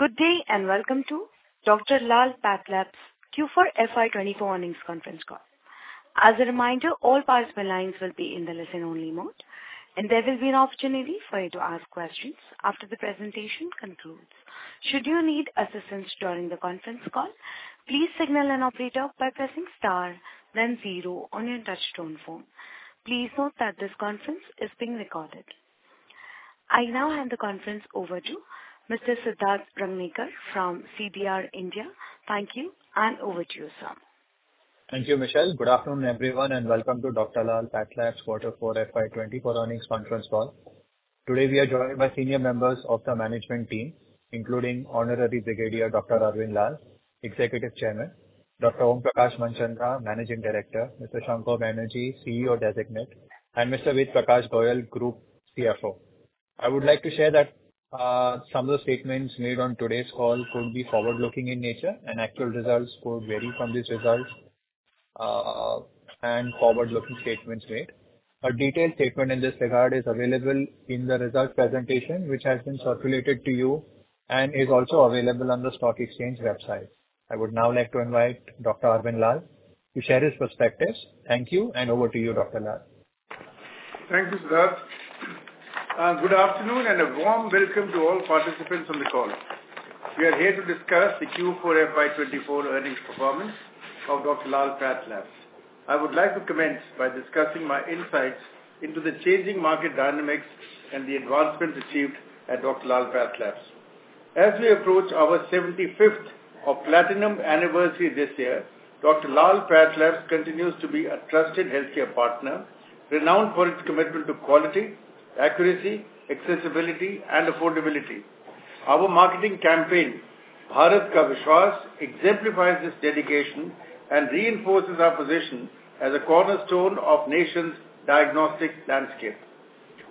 Good day and welcome to Dr. Lal PathLabs Q4 FY24 earnings conference call. As a reminder, all participant lines will be in the listen-only mode, and there will be an opportunity for you to ask questions after the presentation concludes. Should you need assistance during the conference call, please signal an operator by pressing star, then zero on your touch-tone phone. Please note that this conference is being recorded. I now hand the conference over to Mr. Siddharth Rangnekar from CDR India. Thank you, and over to you, sir. Thank you, Michelle. Good afternoon, everyone, and welcome to Dr Lal PathLabs Q4 FY24 earnings conference call. Today we are joined by senior members of the management team, including Honorary Brigadier Dr. Arvind Lal, Executive Chairman; Dr. Om Prakash Manchanda, Managing Director; Mr. Shankha Banerjee, CEO Designate; and Mr. Ved Prakash Goel, Group CFO. I would like to share that some of the statements made on today's call could be forward-looking in nature, and actual results could vary from these results and forward-looking statements made. A detailed statement in this regard is available in the results presentation, which has been circulated to you and is also available on the stock exchange website. I would now like to invite Dr. Arvind Lal to share his perspectives. Thank you, and over to you, Dr. Lal. Thank you, Siddharth. Good afternoon and a warm welcome to all participants on the call. We are here to discuss the Q4 FY24 earnings performance of Dr Lal PathLabs. I would like to commence by discussing my insights into the changing market dynamics and the advancements achieved at Dr Lal PathLabs. As we approach our 75th Platinum Anniversary this year, Dr Lal PathLabs continues to be a trusted healthcare partner, renowned for its commitment to quality, accuracy, accessibility, and affordability. Our marketing campaign, Bharat Ka Vishwas, exemplifies this dedication and reinforces our position as a cornerstone of the nation's diagnostic landscape.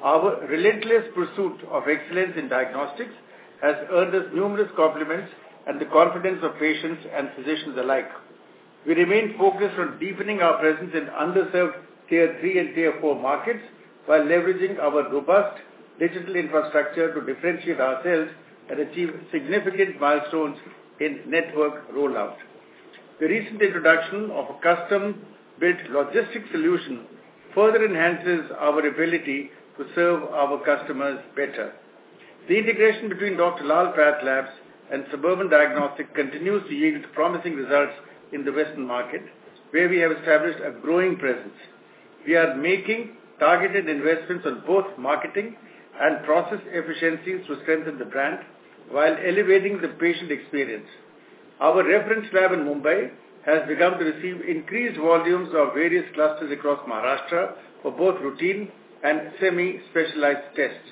Our relentless pursuit of excellence in diagnostics has earned us numerous compliments and the confidence of patients and physicians alike. We remain focused on deepening our presence in underserved Tier 3 and Tier 4 markets while leveraging our robust digital infrastructure to differentiate ourselves and achieve significant milestones in network rollout. The recent introduction of a custom-built logistics solution further enhances our ability to serve our customers better. The integration between Dr Lal PathLabs and Suburban Diagnostics continues to yield promising results in the Western market, where we have established a growing presence. We are making targeted investments on both marketing and process efficiencies to strengthen the brand while elevating the patient experience. Our reference lab in Mumbai has begun to receive increased volumes of various clusters across Maharashtra for both routine and semi-specialized tests.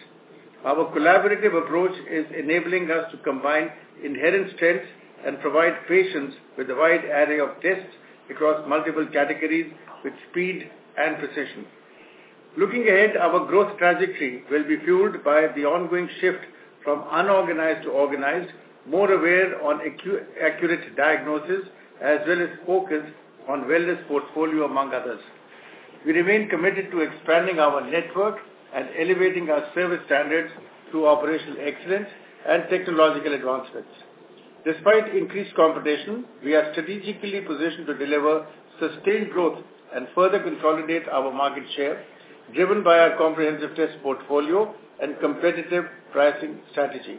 Our collaborative approach is enabling us to combine inherent strengths and provide patients with a wide array of tests across multiple categories with speed and precision. Looking ahead, our growth trajectory will be fueled by the ongoing shift from unorganized to organized, more aware of accurate diagnosis, as well as focused on wellness portfolio, among others. We remain committed to expanding our network and elevating our service standards through operational excellence and technological advancements. Despite increased competition, we are strategically positioned to deliver sustained growth and further consolidate our market share, driven by our comprehensive test portfolio and competitive pricing strategy.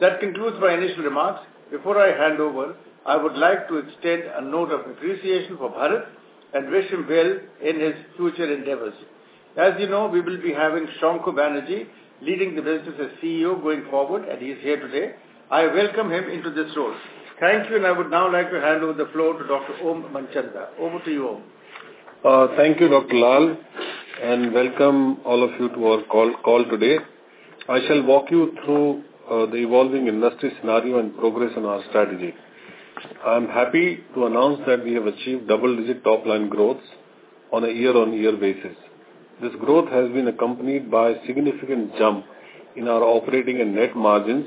That concludes my initial remarks. Before I hand over, I would like to extend a note of appreciation for Bharath and wish him well in his future endeavors. As you know, we will be having Shankha Banerjee leading the business as CEO going forward, and he is here today. I welcome him into this role. Thank you, and I would now like to hand over the floor to Dr. Om Manchanda. Over to you, Om. Thank you, Dr. Lal, and welcome all of you to our call today. I shall walk you through the evolving industry scenario and progress on our strategy. I'm happy to announce that we have achieved double-digit top-line growth on a year-on-year basis. This growth has been accompanied by a significant jump in our operating and net margins,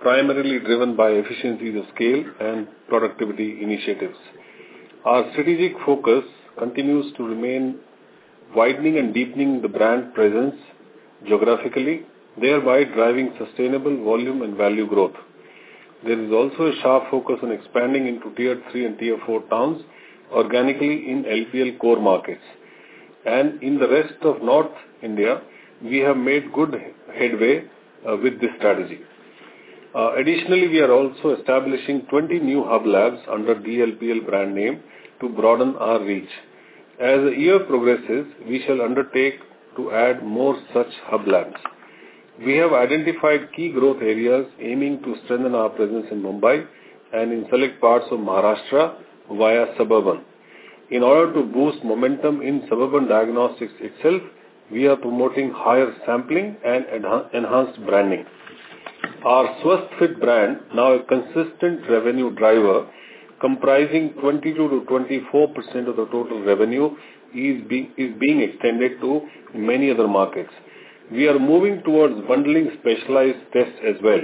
primarily driven by efficiencies of scale and productivity initiatives. Our strategic focus continues to remain widening and deepening the brand presence geographically, thereby driving sustainable volume and value growth. There is also a sharp focus on expanding into Tier 3 and Tier 4 towns organically in LPL core markets. In the rest of North India, we have made good headway with this strategy. Additionally, we are also establishing 20 new hub labs under the LPL brand name to broaden our reach. As the year progresses, we shall undertake to add more such hub labs. We have identified key growth areas aiming to strengthen our presence in Mumbai and in select parts of Maharashtra via Suburban. In order to boost momentum in Suburban Diagnostics itself, we are promoting higher sampling and enhanced branding. Our Swasthfit brand, now a consistent revenue driver comprising 22%-24% of the total revenue, is being extended to many other markets. We are moving towards bundling specialized tests as well.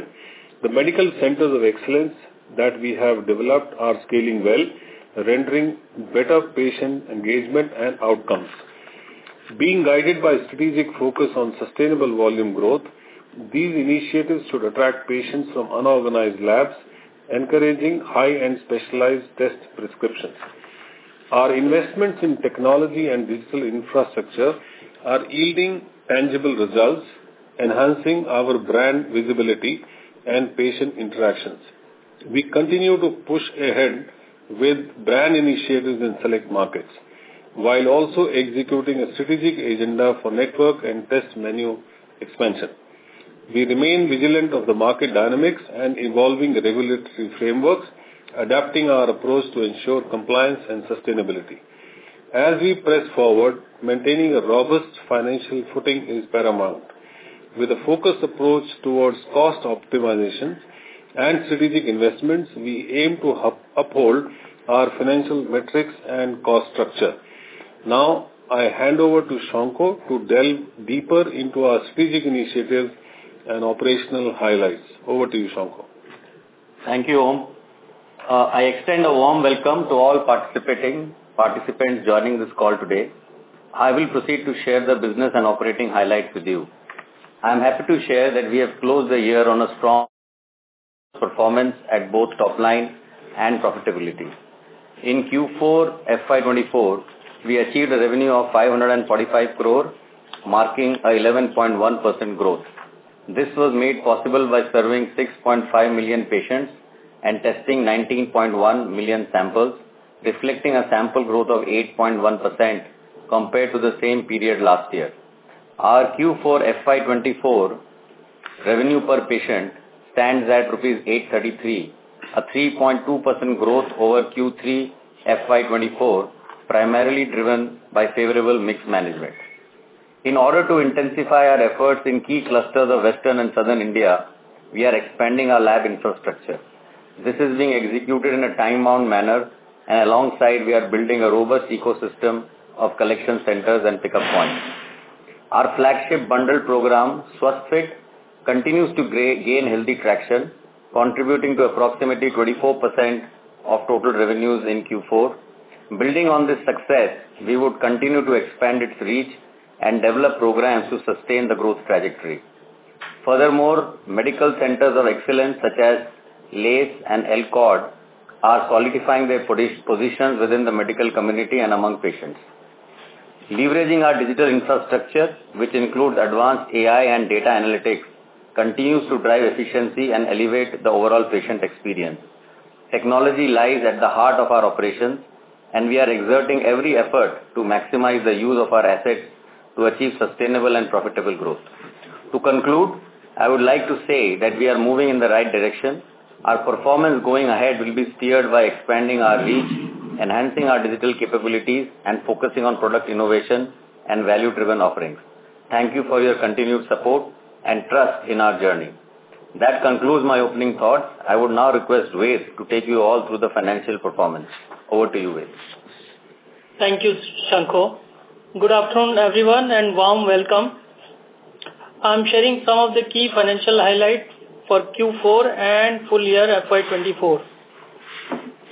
The medical centers of excellence that we have developed are scaling well, rendering better patient engagement and outcomes. Being guided by a strategic focus on sustainable volume growth, these initiatives should attract patients from unorganized labs, encouraging high-end specialized test prescriptions. Our investments in technology and digital infrastructure are yielding tangible results, enhancing our brand visibility and patient interactions. We continue to push ahead with brand initiatives in select markets while also executing a strategic agenda for network and test menu expansion. We remain vigilant of the market dynamics and evolving regulatory frameworks, adapting our approach to ensure compliance and sustainability. As we press forward, maintaining a robust financial footing is paramount. With a focused approach towards cost optimization and strategic investments, we aim to uphold our financial metrics and cost structure. Now, I hand over to Shankha to delve deeper into our strategic initiatives and operational highlights. Over to you, Shankha. Thank you, Om. I extend a warm welcome to all participants joining this call today. I will proceed to share the business and operating highlights with you. I'm happy to share that we have closed the year on a strong performance at both top-line and profitability. In Q4 FY24, we achieved a revenue of 545 crore, marking an 11.1% growth. This was made possible by serving 6.5 million patients and testing 19.1 million samples, reflecting a sample growth of 8.1% compared to the same period last year. Our Q4 FY24 revenue per patient stands at rupees 833, a 3.2% growth over Q3 FY24, primarily driven by favorable mixed management. In order to intensify our efforts in key clusters of Western and Southern India, we are expanding our lab infrastructure. This is being executed in a time-bound manner, and alongside, we are building a robust ecosystem of collection centers and pickup points. Our flagship bundle program, Swasthfit, continues to gain healthy traction, contributing to approximately 24% of total revenues in Q4. Building on this success, we would continue to expand its reach and develop programs to sustain the growth trajectory. Furthermore, medical centers of excellence such as L-ACE and L-CoRD are solidifying their positions within the medical community and among patients. Leveraging our digital infrastructure, which includes advanced AI and data analytics, continues to drive efficiency and elevate the overall patient experience. Technology lies at the heart of our operations, and we are exerting every effort to maximize the use of our assets to achieve sustainable and profitable growth. To conclude, I would like to say that we are moving in the right direction. Our performance going ahead will be steered by expanding our reach, enhancing our digital capabilities, and focusing on product innovation and value-driven offerings. Thank you for your continued support and trust in our journey. That concludes my opening thoughts. I would now request Ved to take you all through the financial performance. Over to you, Ved. Thank you, Shankha. Good afternoon, everyone, and warm welcome. I'm sharing some of the key financial highlights for Q4 and full year FY24.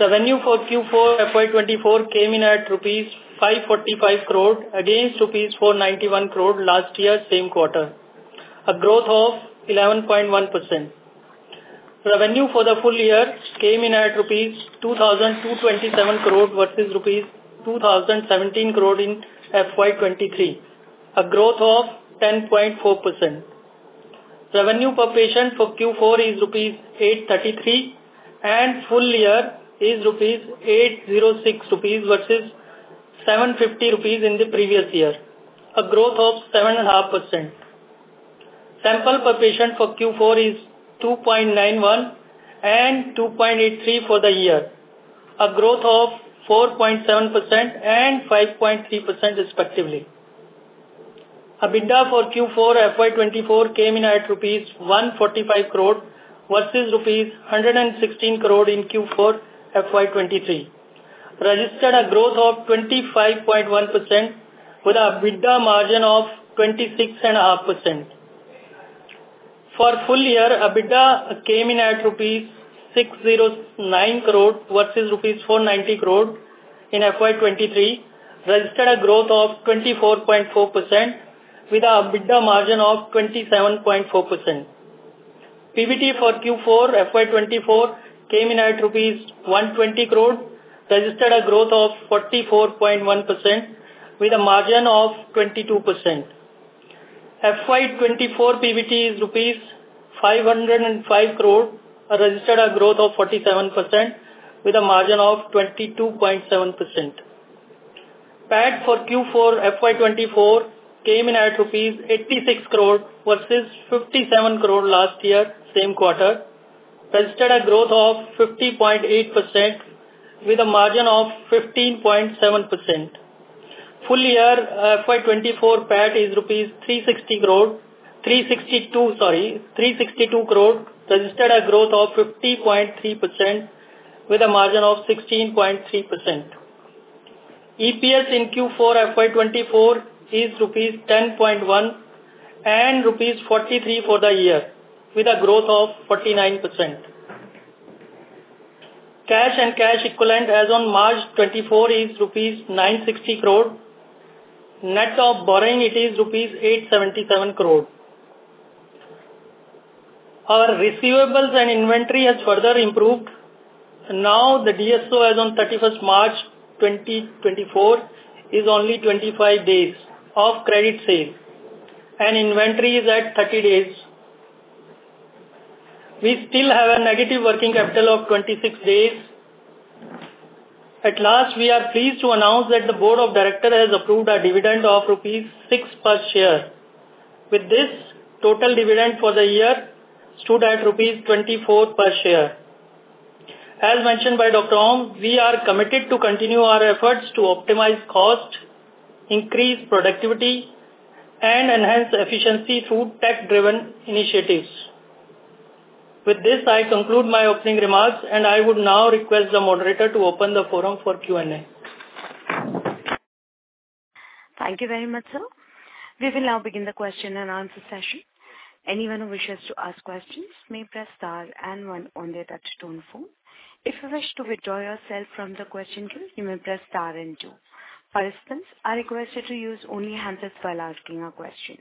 Revenue for Q4 FY24 came in at rupees 545 crore against rupees 491 crore last year, same quarter, a growth of 11.1%. Revenue for the full year came in at rupees 2,227 crore versus rupees 2,017 crore in FY23, a growth of 10.4%. Revenue per patient for Q4 is INR 833, and full year is INR 806 versus INR 750 in the previous year, a growth of 7.5%. Sample per patient for Q4 is 2.91 and 2.83 for the year, a growth of 4.7% and 5.3% respectively. EBITDA for Q4 FY24 came in at rupees 145 crore versus rupees 116 crore in Q4 FY23, registered a growth of 25.1% with a EBITDA margin of 26.5%. For full year, EBITDA came in at 609 crore rupees versus 490 crore rupees in FY23, registered a growth of 24.4% with an EBITDA margin of 27.4%. PBT for Q4 FY24 came in at 120 crore rupees, registered a growth of 44.1% with a margin of 22%. FY24 PBT is INR 505 crore, registered a growth of 47% with a margin of 22.7%. PAT for Q4 FY24 came in at INR 86 crore versus INR 57 crore last year, same quarter, registered a growth of 50.8% with a margin of 15.7%. Full year, FY24 PAT is 362 crore, registered a growth of 50.3% with a margin of 16.3%. EPS in Q4 FY24 is rupees 10.1 and rupees 43 for the year with a growth of 49%. Cash and cash equivalents as on March 2024 is rupees 960 crore. Net of borrowing, it is rupees 877 crore. Our receivables and inventory has further improved. Now, the DSO as on 31st March 2024 is only 25 days of credit sale, and inventory is at 30 days. We still have a negative working capital of 26 days. At last, we are pleased to announce that the Board of Directors has approved a dividend of rupees 6 per share. With this, total dividend for the year stood at rupees 24 per share. As mentioned by Dr. Om, we are committed to continue our efforts to optimize cost, increase productivity, and enhance efficiency through tech-driven initiatives. With this, I conclude my opening remarks, and I would now request the moderator to open the forum for Q&A. Thank you very much, sir. We will now begin the question and answer session. Anyone who wishes to ask questions may press star and one on their touch-tone phone. If you wish to withdraw yourself from the question queue, you may press star and two. Participants are requested to use only the handset while asking a question.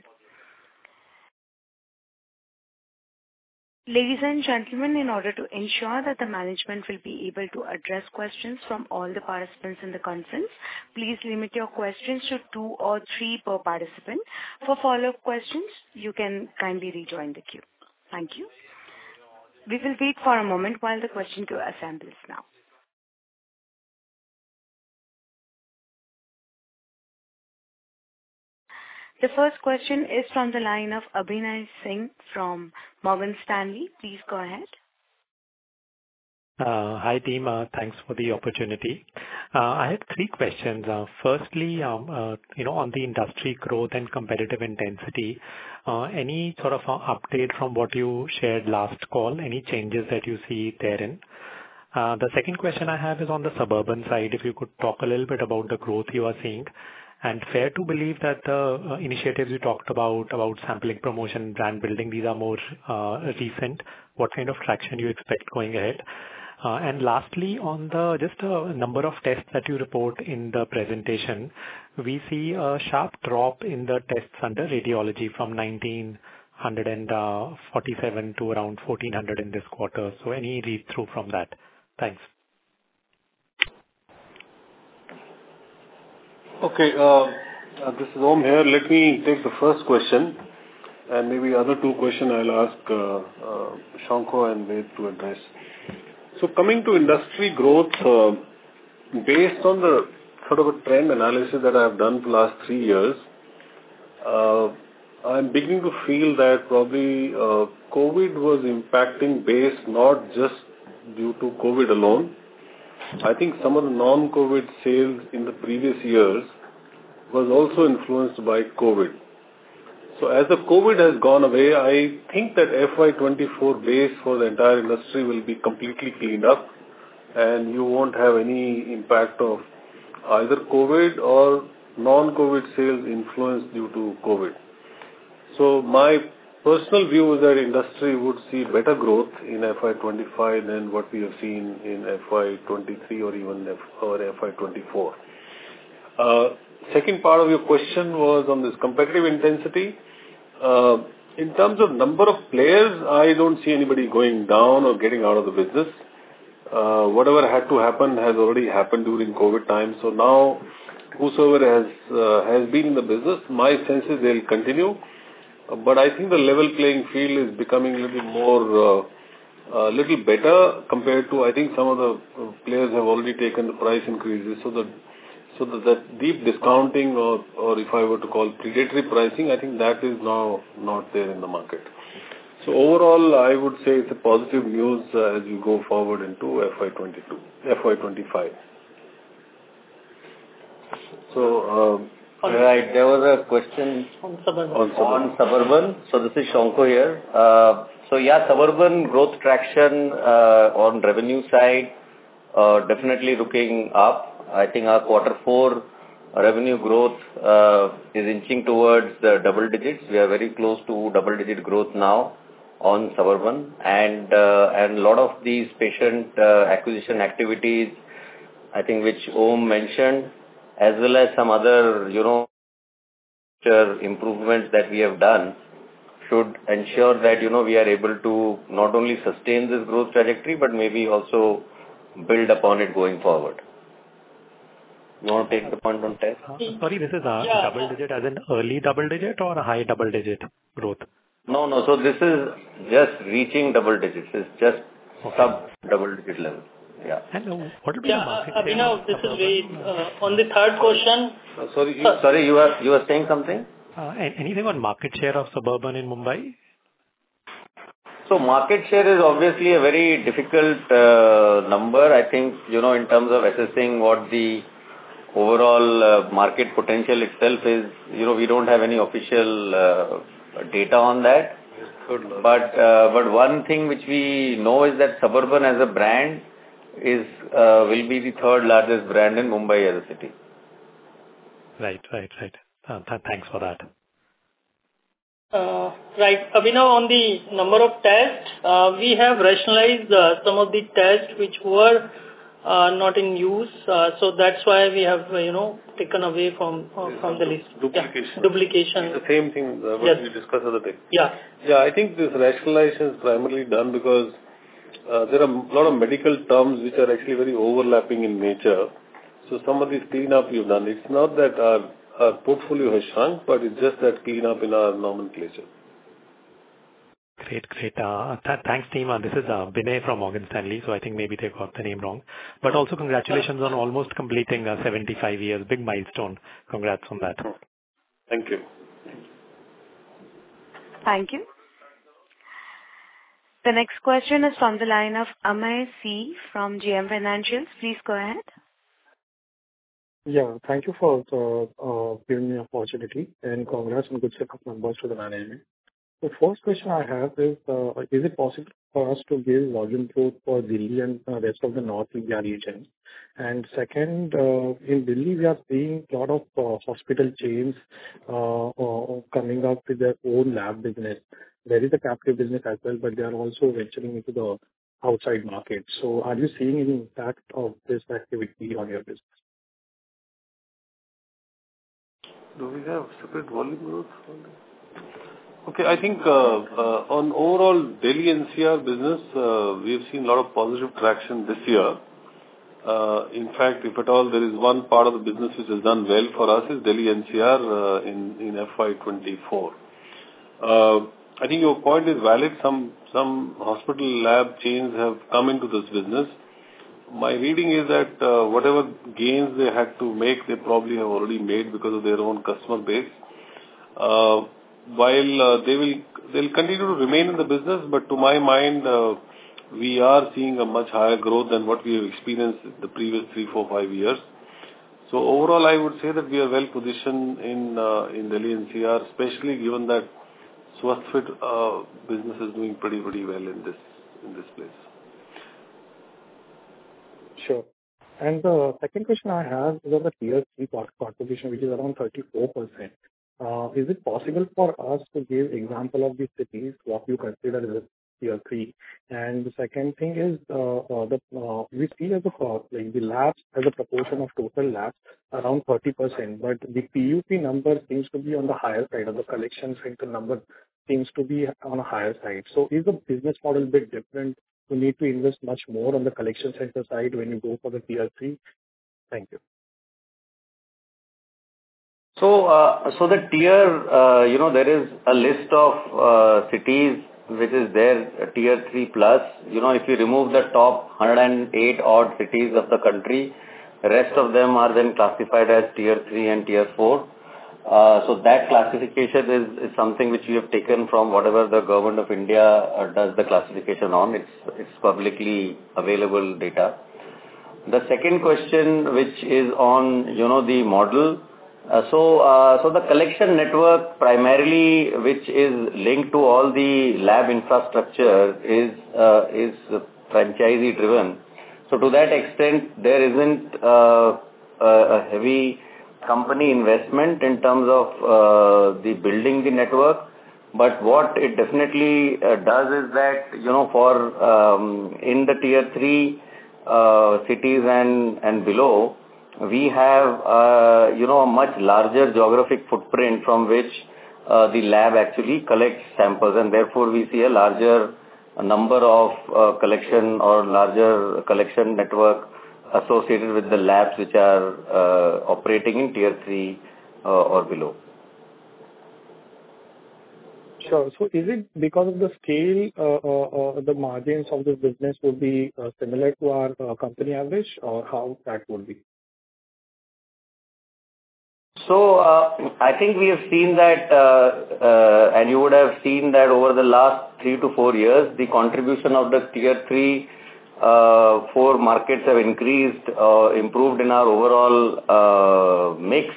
Ladies and gentlemen, in order to ensure that the management will be able to address questions from all the participants in the conference, please limit your questions to two or three per participant. For follow-up questions, you can kindly rejoin the queue. Thank you. We will wait for a moment while the question queue assembles now. The first question is from the line of Abhinay Singh from Morgan Stanley. Please go ahead. Hi, team. Thanks for the opportunity. I had three questions. Firstly, on the industry growth and competitive intensity, any sort of update from what you shared last call, any changes that you see therein? The second question I have is on the suburban side. If you could talk a little bit about the growth you are seeing. Fair to believe that the initiatives you talked about, about sampling, promotion, brand building, these are more recent. What kind of traction do you expect going ahead? Lastly, on just a number of tests that you report in the presentation, we see a sharp drop in the tests under radiology from 1,947 to around 1,400 in this quarter. So any read-through from that? Thanks. Okay. This is Om here. Let me take the first question, and maybe the other two questions I'll ask Shankha and Ved to address. So coming to industry growth, based on the sort of a trend analysis that I've done for the last three years, I'm beginning to feel that probably COVID was impacting base not just due to COVID alone. I think some of the non-COVID sales in the previous years were also influenced by COVID. So as the COVID has gone away, I think that FY24 base for the entire industry will be completely cleaned up, and you won't have any impact of either COVID or non-COVID sales influenced due to COVID. So my personal view is that industry would see better growth in FY25 than what we have seen in FY23 or even FY24. Second part of your question was on this competitive intensity. In terms of number of players, I don't see anybody going down or getting out of the business. Whatever had to happen has already happened during COVID times. So now, whosoever has been in the business, my sense is they'll continue. But I think the level playing field is becoming a little better compared to I think some of the players have already taken the price increases. So that deep discounting, or if I were to call predatory pricing, I think that is now not there in the market. So overall, I would say it's positive news as you go forward into FY25. All right. There was a question on Suburban. So this is Shankha here. So yeah, Suburban growth traction on revenue side definitely looking up. I think our quarter four revenue growth is inching towards the double digits. We are very close to double-digit growth now on Suburban. And a lot of these patient acquisition activities, I think, which Om mentioned, as well as some other improvements that we have done, should ensure that we are able to not only sustain this growth trajectory but maybe also build upon it going forward. You want to take the point on tech? Sorry. This is double digit as in early double digit or high double digit growth? No, no. So this is just reaching double digits. It's just sub-double-digit level. Yeah. And what about the market share? Abhinay, this is Ved. On the third question. Sorry. You were saying something? Anything on market share of Suburban in Mumbai? So market share is obviously a very difficult number, I think, in terms of assessing what the overall market potential itself is. We don't have any official data on that. But one thing which we know is that Suburban as a brand will be the third largest brand in Mumbai as a city. Right, right, right. Thanks for that. Right. Abhinay, on the number of tests, we have rationalized some of the tests which were not in use. So that's why we have taken away from the list. Duplication. Duplication. It's the same thing that we discussed the other day. Yeah, I think this rationalization is primarily done because there are a lot of medical terms which are actually very overlapping in nature. So some of this cleanup you've done, it's not that our portfolio has shrunk, but it's just that cleanup in our nomenclature. Great, great. Thanks, team. This is Bhinay from Morgan Stanley. So I think maybe they've got the name wrong. But also, congratulations on almost completing 75 years. Big milestone. Congrats on that. Thank you. Thank you. The next question is from the line of Amey C. from JM Financial. Please go ahead. Yeah. Thank you for giving me the opportunity, and congrats on good set of numbers to the management. The first question I have is, is it possible for us to give volume growth for Delhi and the rest of the North India region? And second, in Delhi, we are seeing a lot of hospital chains coming up with their own lab business. That is a captive business as well, but they are also venturing into the outside market. So are you seeing any impact of this activity on your business? Do we have separate volume growth for that? Okay. I think on overall Delhi NCR business, we have seen a lot of positive traction this year. In fact, if at all, there is one part of the business which has done well for us is Delhi NCR in FY24. I think your point is valid. Some hospital lab chains have come into this business. My reading is that whatever gains they had to make, they probably have already made because of their own customer base. While they'll continue to remain in the business, but to my mind, we are seeing a much higher growth than what we have experienced in the previous three, four, five years. So overall, I would say that we are well positioned in Delhi NCR, especially given that Swasthfit business is doing pretty, pretty well in this place. Sure. And the second question I have is on the Tier 3 contribution, which is around 34%. Is it possible for us to give an example of the cities what you consider as a Tier 3? And the second thing is, we see the labs as a proportion of total labs around 30%, but the PUP number seems to be on the higher side. The collection center number seems to be on a higher side. So is the business model a bit different? You need to invest much more on the collection center side when you go for the Tier 3? Thank you. So the tier, there is a list of cities which is their Tier 3+. If you remove the top 108-odd cities of the country, the rest of them are then classified as Tier 3 and Tier 4. So that classification is something which you have taken from whatever the government of India does the classification on. It's publicly available data. The second question, which is on the model, so the collection network primarily, which is linked to all the lab infrastructure, is franchisee-driven. So to that extent, there isn't a heavy company investment in terms of building the network. But what it definitely does is that in the Tier 3 cities and below, we have a much larger geographic footprint from which the lab actually collects samples. And therefore, we see a larger number of collection or larger collection network associated with the labs which are operating in Tier 3-. Sure. So is it because of the scale, the margins of the business would be similar to our company average, or how that would be? I think we have seen that, and you would have seen that over the last three to four years, the contribution of the Tier 3/4 markets has increased, improved in our overall mix.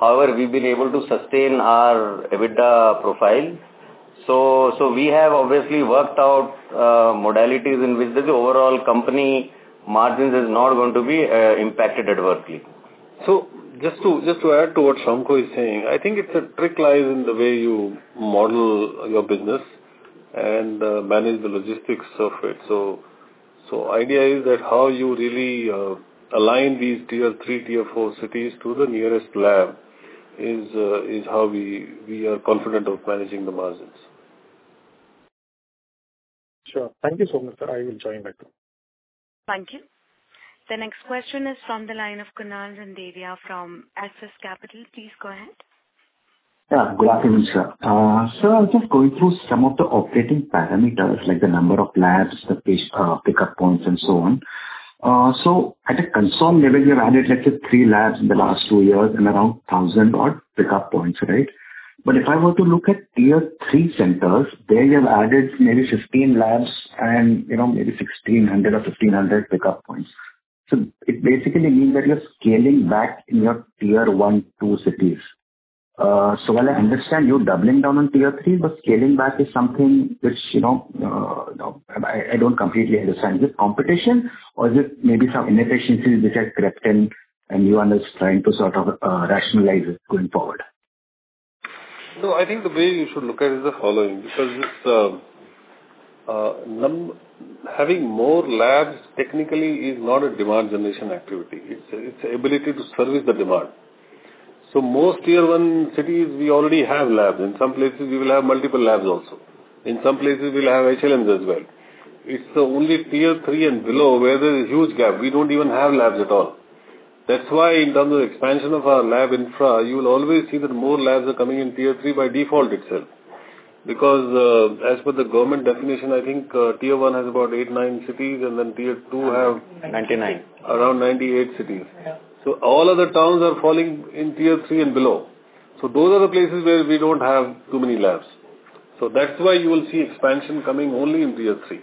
However, we've been able to sustain our EBITDA profile. We have obviously worked out modalities in which the overall company margins are not going to be impacted adversely. Just to add to what Shankha is saying, I think the trick lies in the way you model your business and manage the logistics of it. The idea is that how you really align these Tier 3, Tier 4 cities to the nearest lab is how we are confident of managing the margins. Sure. Thank you so much, sir. I will join back. Thank you. The next question is from the line of Kunal Randeria from Axis Capital. Please go ahead. Yeah. Good afternoon, sir. So I'm just going through some of the operating parameters, like the number of labs, the pickup points, and so on. So at a consolidated level, you've added, let's say, 3 labs in the last 2 years and around 1,000-odd pickup points, right? But if I were to look at Tier 3 centers, there you've added maybe 15 labs and maybe 1,600 or 1,500 pickup points. So it basically means that you're scaling back in your Tier 1, 2 cities. So while I understand you're doubling down on Tier 3, but scaling back is something which I don't completely understand. Is it competition, or is it maybe some inefficiencies which have crept in, and you are just trying to sort of rationalize it going forward? No, I think the way you should look at it is the following because having more labs technically is not a demand generation activity. It's the ability to service the demand. So most Tier 1 cities, we already have labs. In some places, we will have multiple labs also. In some places, we'll have HLMs as well. It's the only Tier 3 and below where there's a huge gap. We don't even have labs at all. That's why, in terms of expansion of our lab infra, you will always see that more labs are coming in Tier 3 by default itself because, as per the government definition, I think Tier 1 has about eight, nine cities, and then Tier 2 have. 99. Around 98 cities. All other towns are falling in Tier 3 and below. Those are the places where we don't have too many labs. That's why you will see expansion coming only in Tier 3.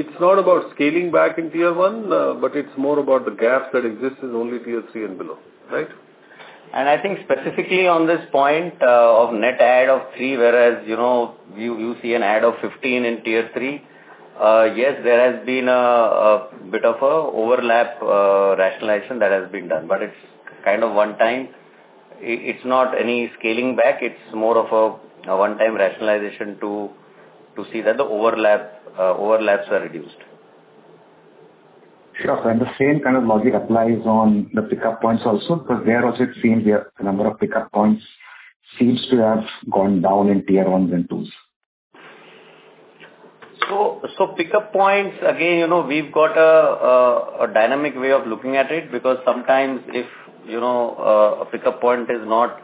It's not about scaling back in Tier 1, but it's more about the gaps that exist in only Tier 3 and below, right? I think specifically on this point of net add of 3, whereas you see an add of 15 in Tier 3, yes, there has been a bit of an overlap rationalization that has been done. But it's kind of one-time. It's more of a one-time rationalization to see that the overlaps are reduced. Sure. The same kind of logic applies on the pickup points also because there also it seems the number of pickup points seems to have gone down in Tier 1s and 2s. So pickup points, again, we've got a dynamic way of looking at it because sometimes if a pickup point is not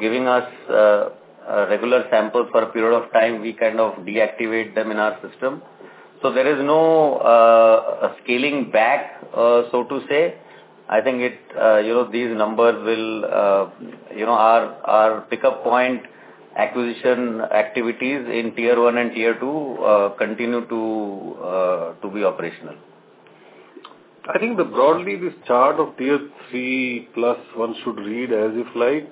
giving us a regular sample for a period of time, we kind of deactivate them in our system. So there is no scaling back, so to say. I think these numbers will our pickup point acquisition activities in Tier 1 and Tier 2 continue to be operational. I think that broadly, this chart of Tier 3+1 should read as if, like,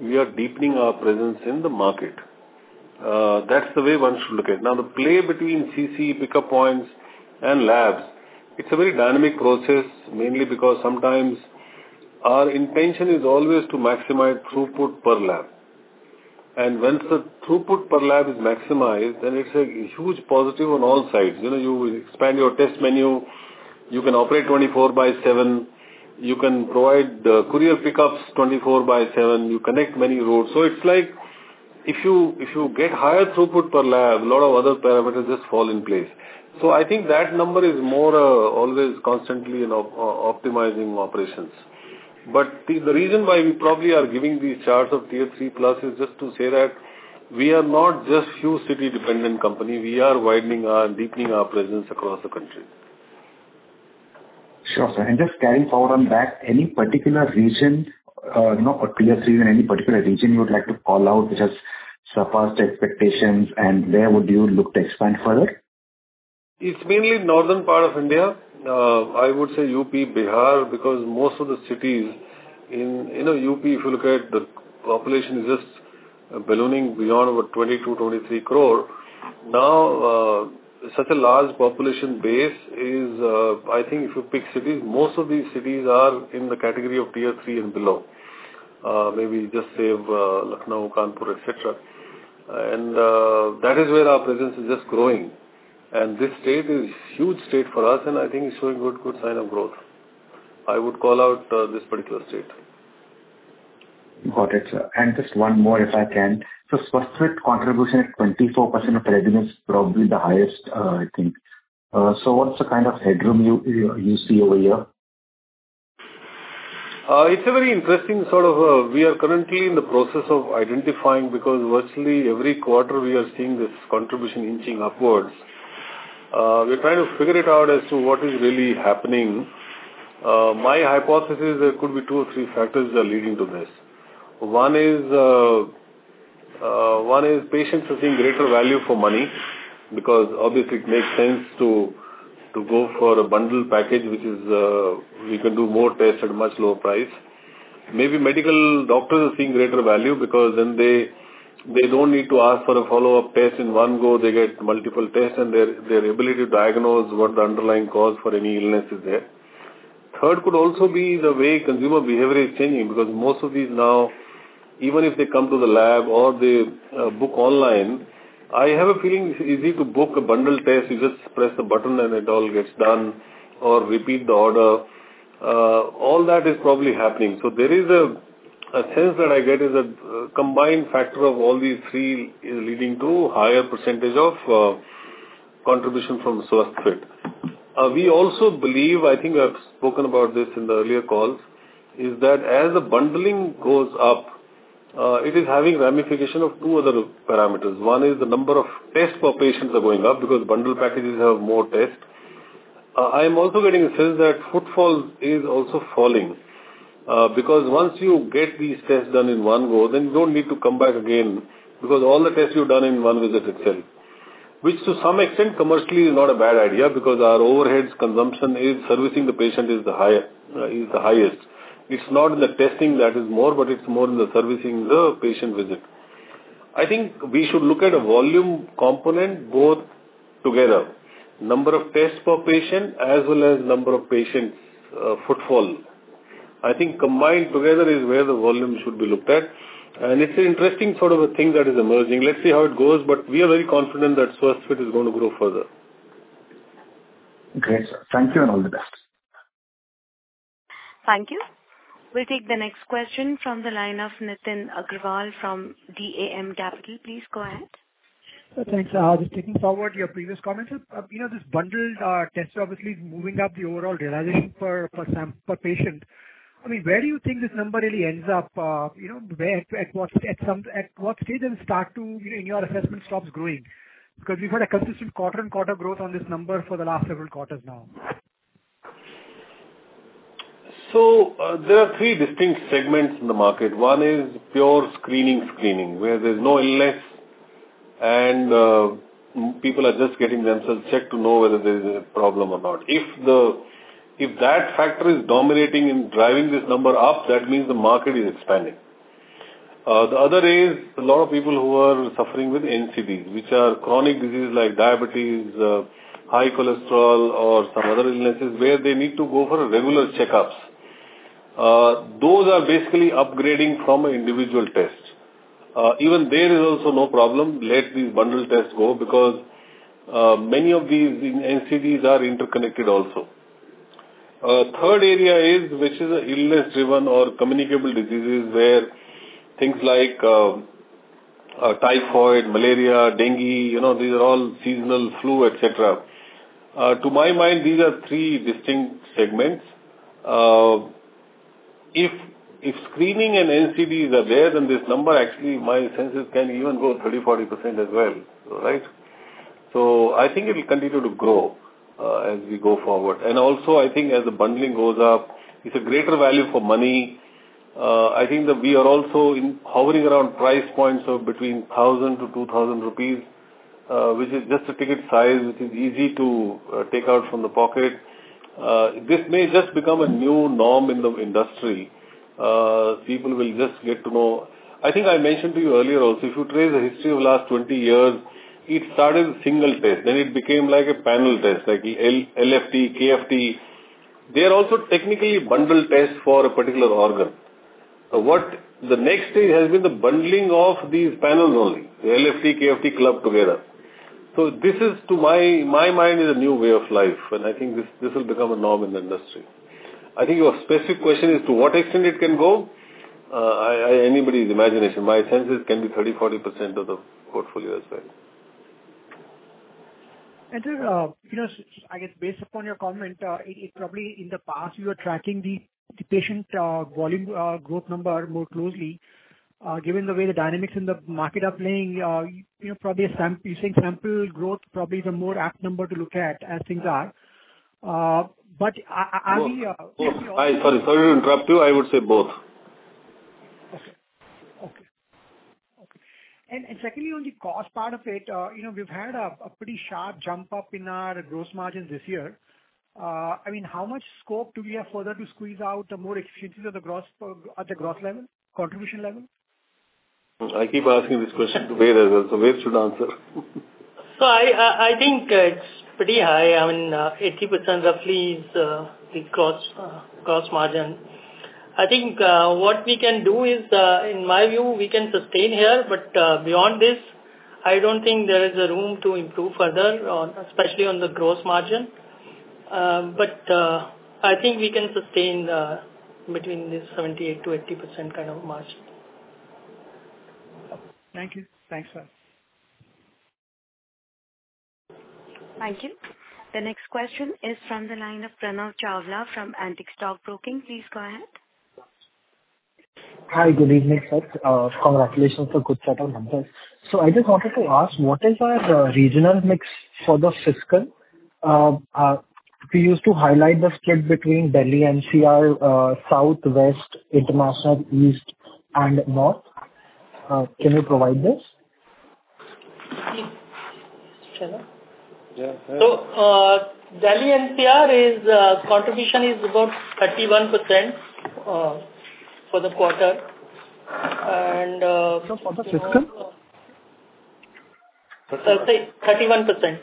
we are deepening our presence in the market. That's the way one should look at it. Now, the play between CC pickup points and labs, it's a very dynamic process mainly because sometimes our intention is always to maximize throughput per lab. Once the throughput per lab is maximized, then it's a huge positive on all sides. You expand your test menu. You can operate 24/7. You can provide courier pickups 24/7. You connect many roads. It's like if you get higher throughput per lab, a lot of other parameters just fall in place. I think that number is more always constantly optimizing operations. The reason why we probably are giving these charts of Tier 3+ is just to say that we are not just a few city-dependent company. We are widening and deepening our presence across the country. Sure, sir. Just carrying forward on that, any particular region or Tier 3 in any particular region you would like to call out which has surpassed expectations, and where would you look to expand further? It's mainly the northern part of India. I would say UP, Bihar because most of the cities in UP, if you look at the population, is just ballooning beyond over 22-23 crore. Now, such a large population base is, I think, if you pick cities, most of these cities are in the category of Tier 3 and below. Maybe just say Lucknow, Kanpur, etc. And that is where our presence is just growing. And this state is a huge state for us, and I think it's showing a good sign of growth. I would call out this particular state. Got it, sir. And just one more, if I can. So Swasthfit contribution at 24% of revenue is probably the highest, I think. So what's the kind of headroom you see over here? It's a very interesting sort of. We are currently in the process of identifying because virtually every quarter, we are seeing this contribution inching upwards. We're trying to figure it out as to what is really happening. My hypothesis is there could be two or three factors that are leading to this. One is patients are seeing greater value for money because obviously, it makes sense to go for a bundle package which is we can do more tests at a much lower price. Maybe medical doctors are seeing greater value because then they don't need to ask for a follow-up test in one go. They get multiple tests, and their ability to diagnose what the underlying cause for any illness is there. Third could also be the way consumer behavior is changing because most of these now, even if they come to the lab or they book online, I have a feeling it's easy to book a bundle test. You just press the button, and it all gets done or repeat the order. All that is probably happening. So there is a sense that I get is that a combined factor of all these three is leading to a higher percentage of contribution from Swasthfit. We also believe, I think I've spoken about this in the earlier calls, is that as the bundling goes up, it is having ramifications of two other parameters. One is the number of tests for patients are going up because bundle packages have more tests. I am also getting a sense that footfall is also falling because once you get these tests done in one go, then you don't need to come back again because all the tests you've done in one visit itself, which to some extent, commercially, is not a bad idea because our overheads, consumption, servicing the patient is the highest. It's not in the testing that is more, but it's more in the servicing the patient visit. I think we should look at a volume component both together, number of tests per patient as well as number of patients' footfall. I think combined together is where the volume should be looked at. It's an interesting sort of a thing that is emerging. Let's see how it goes, but we are very confident that Swasthfit is going to grow further. Great, sir. Thank you and all the best. Thank you. We'll take the next question from the line of Nitin Agarwal from DAM Capital. Please go ahead. Thanks. Just taking forward your previous comments. This bundled tester obviously is moving up the overall realization per patient. I mean, where do you think this number really ends up? At what stage does it start to, in your assessment, stop growing? Because we've had a consistent quarter-on-quarter growth on this number for the last several quarters now. There are three distinct segments in the market. One is pure screening, screening where there's no illness, and people are just getting themselves checked to know whether there's a problem or not. If that factor is dominating and driving this number up, that means the market is expanding. The other is a lot of people who are suffering with NCDs, which are chronic diseases like diabetes, high cholesterol, or some other illnesses where they need to go for regular checkups. Those are basically upgrading from an individual test. Even there is also no problem. Let these bundle tests go because many of these NCDs are interconnected also. A third area is which is illness-driven or communicable diseases where things like typhoid, malaria, dengue, these are all seasonal flu, etc. To my mind, these are three distinct segments. If screening and NCDs are there, then this number, actually, my senses can even go 30%-40% as well, right? So I think it will continue to grow as we go forward. And also, I think as the bundling goes up, it's a greater value for money. I think that we are also hovering around price points of between 1,000-2,000 rupees, which is just a ticket size which is easy to take out from the pocket. This may just become a new norm in the industry. People will just get to know. I think I mentioned to you earlier also, if you trace the history of the last 20 years, it started with single test. Then it became like a panel test, like LFT, KFT. They are also technically bundle tests for a particular organ. The next stage has been the bundling of these panels only, the LFT, KFT club together. So this is, to my mind, a new way of life, and I think this will become a norm in the industry. I think your specific question is to what extent it can go. Anybody's imagination. My senses can be 30%-40% of the portfolio as well. And Om, I guess based upon your comment, probably in the past, you were tracking the patient volume growth number more closely. Given the way the dynamics in the market are playing, probably you're saying sample growth probably is a more apt number to look at as things are. But are we? Both. Sorry to interrupt you. I would say both. Okay. Okay. Okay. Secondly, on the cost part of it, we've had a pretty sharp jump up in our gross margins this year. I mean, how much scope do we have further to squeeze out more efficiencies at the gross level, contribution level? I keep asking this question to Ved as well. So Ved should answer. So I think it's pretty high. I mean, 80% roughly is the gross margin. I think what we can do is, in my view, we can sustain here. But beyond this, I don't think there is a room to improve further, especially on the gross margin. But I think we can sustain between this 78%-80% kind of margin. Thank you. Thanks, sir. Thank you. The next question is from the line of Pranav Chawla from Antique Stock Broking. Please go ahead. Hi. Good evening, sir. Congratulations for good set of numbers. I just wanted to ask, what is our regional mix for the fiscal? We used to highlight the split between Delhi NCR, South, West, International, East, and North. Can you provide this? Delhi NCR contribution is about 31% for the quarter. So for the fiscal? Say 31%.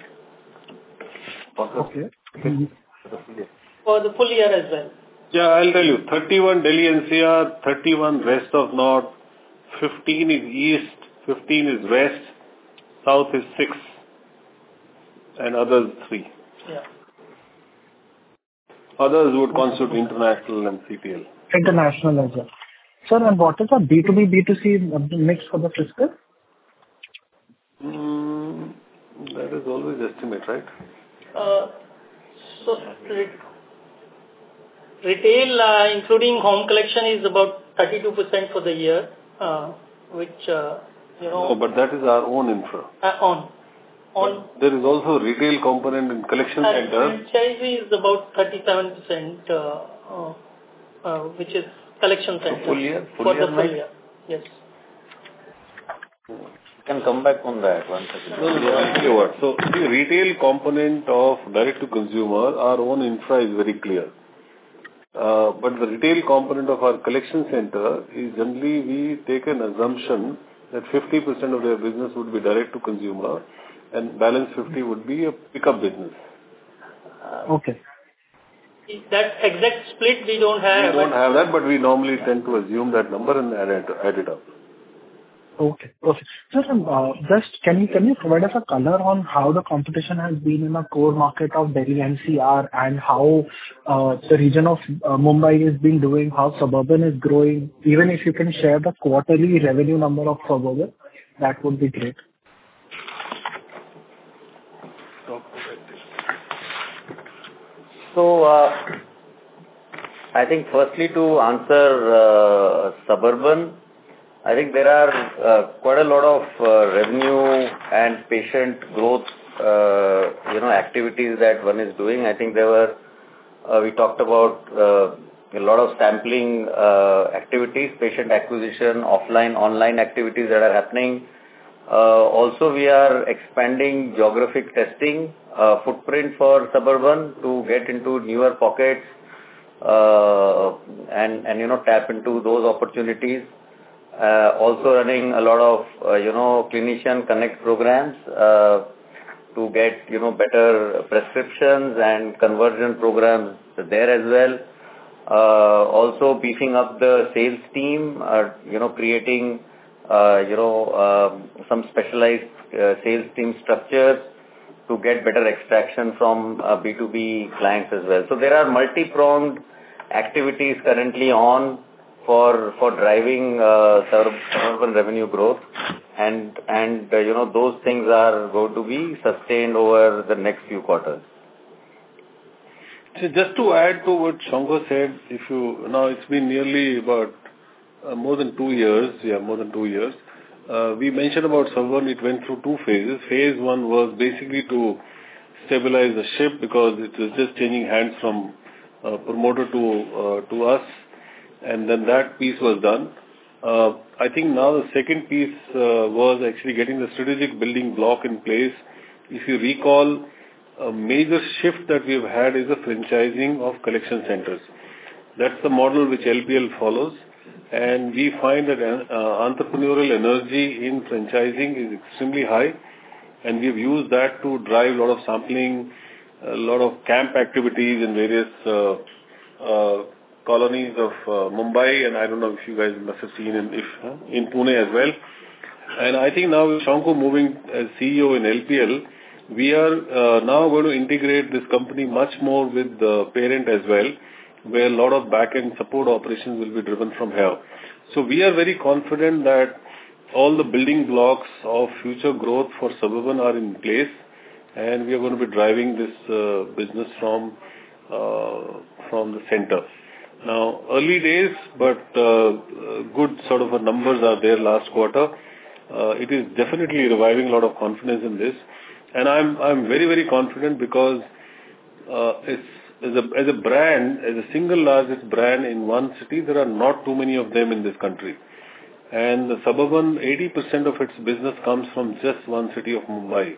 For the full year? Yes. For the full year as well? Yeah. I'll tell you. 31 Delhi NCR, 31 West of North, 15 is East, 15 is West, South is 6, and others 3. Others would constitute International and CTL. International as well. Sir, what is our B2B, B2C mix for the fiscal? That is always estimate, right? Retail, including home collection, is about 32% for the year, which. Oh, but that is our own infra. Our own. On. There is also a retail component in collection center. Franchise is about 37%, which is collection center. For the full year? For the full year. Yes. Can come back on that one second. I'll give you a word. So the retail component of direct to consumer, our own infra is very clear. But the retail component of our collection center is generally we take an assumption that 50% of their business would be direct to consumer, and balance 50 would be a pickup business. Okay. That exact split, we don't have ever. We don't have that, but we normally tend to assume that number and add it up. Okay. Perfect. Sir, can you provide us a color on how the competition has been in a core market of Delhi NCR and how the region of Mumbai is being doing, how suburban is growing? Even if you can share the quarterly revenue number of suburban, that would be great. So I think firstly, to answer Suburban, I think there are quite a lot of revenue and patient growth activities that one is doing. I think we talked about a lot of sampling activities, patient acquisition, offline, online activities that are happening. Also, we are expanding geographic testing footprint for Suburban to get into newer pockets and tap into those opportunities. Also running a lot of clinician connect programs to get better prescriptions and conversion programs there as well. Also beefing up the sales team, creating some specialized sales team structures to get better extraction from B2B clients as well. So there are multi-pronged activities currently on for driving Suburban revenue growth, and those things are going to be sustained over the next few quarters. So just to add to what Shankha said, now it's been nearly more than two years. Yeah, more than two years. We mentioned about Suburban, it went through two phases. Phase one was basically to stabilize the ship because it was just changing hands from promoter to us, and then that piece was done. I think now the second piece was actually getting the strategic building block in place. If you recall, a major shift that we've had is the franchising of collection centers. That's the model which LPL follows. And we find that entrepreneurial energy in franchising is extremely high, and we've used that to drive a lot of sampling, a lot of camp activities in various colonies of Mumbai. And I don't know if you guys must have seen in Pune as well. And I think now with Shankha moving as CEO in LPL, we are now going to integrate this company much more with the parent as well where a lot of backend support operations will be driven from here. So we are very confident that all the building blocks of future growth for Suburban are in place, and we are going to be driving this business from the center. Now, early days, but good sort of numbers are there last quarter. It is definitely reviving a lot of confidence in this. And I'm very, very confident because as a brand, as a single largest brand in one city, there are not too many of them in this country. And the Suburban, 80% of its business comes from just one city of Mumbai.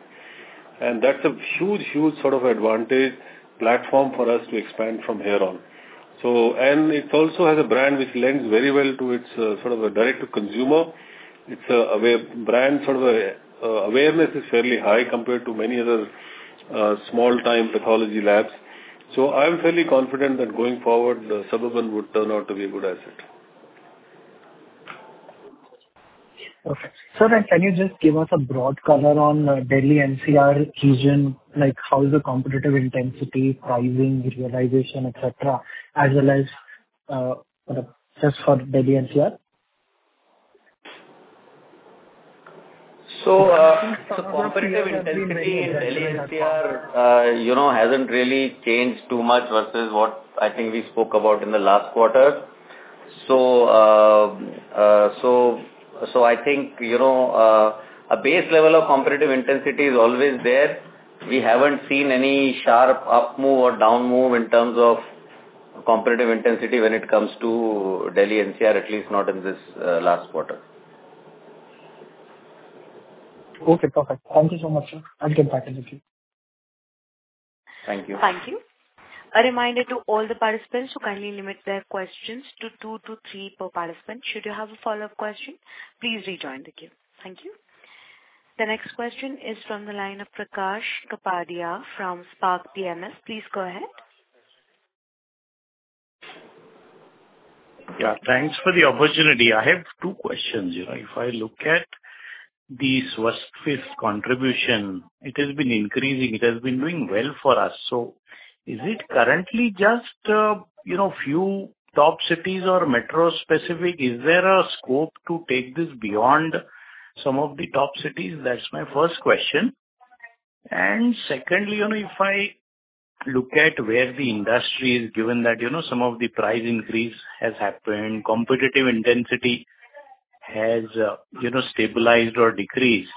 And that's a huge, huge sort of advantage platform for us to expand from here on. It also has a brand which lends very well to its sort of a direct-to-consumer. It's a brand sort of awareness is fairly high compared to many other small-time pathology labs. So I'm fairly confident that going forward, Suburban would turn out to be a good asset. Okay. Sir, then can you just give us a broad color on Delhi NCR region? How is the competitive intensity, pricing, realization, etc., as well as just for Delhi NCR? So the competitive intensity in Delhi NCR hasn't really changed too much versus what I think we spoke about in the last quarter. So I think a base level of competitive intensity is always there. We haven't seen any sharp upmove or downmove in terms of competitive intensity when it comes to Delhi NCR, at least not in this last quarter. Okay. Perfect. Thank you so much, sir. I'll get back in the queue. Thank you. Thank you. A reminder to all the participants to kindly limit their questions to 2-3 per participant. Should you have a follow-up question, please rejoin the queue. Thank you. The next question is from the line of Prakash Kapadia from Spark PMS. Please go ahead. Yeah. Thanks for the opportunity. I have two questions. If I look at the Swasthfit's contribution, it has been increasing. It has been doing well for us. So is it currently just a few top cities or metro-specific? Is there a scope to take this beyond some of the top cities? That's my first question. And secondly, if I look at where the industry is, given that some of the price increase has happened, competitive intensity has stabilized or decreased.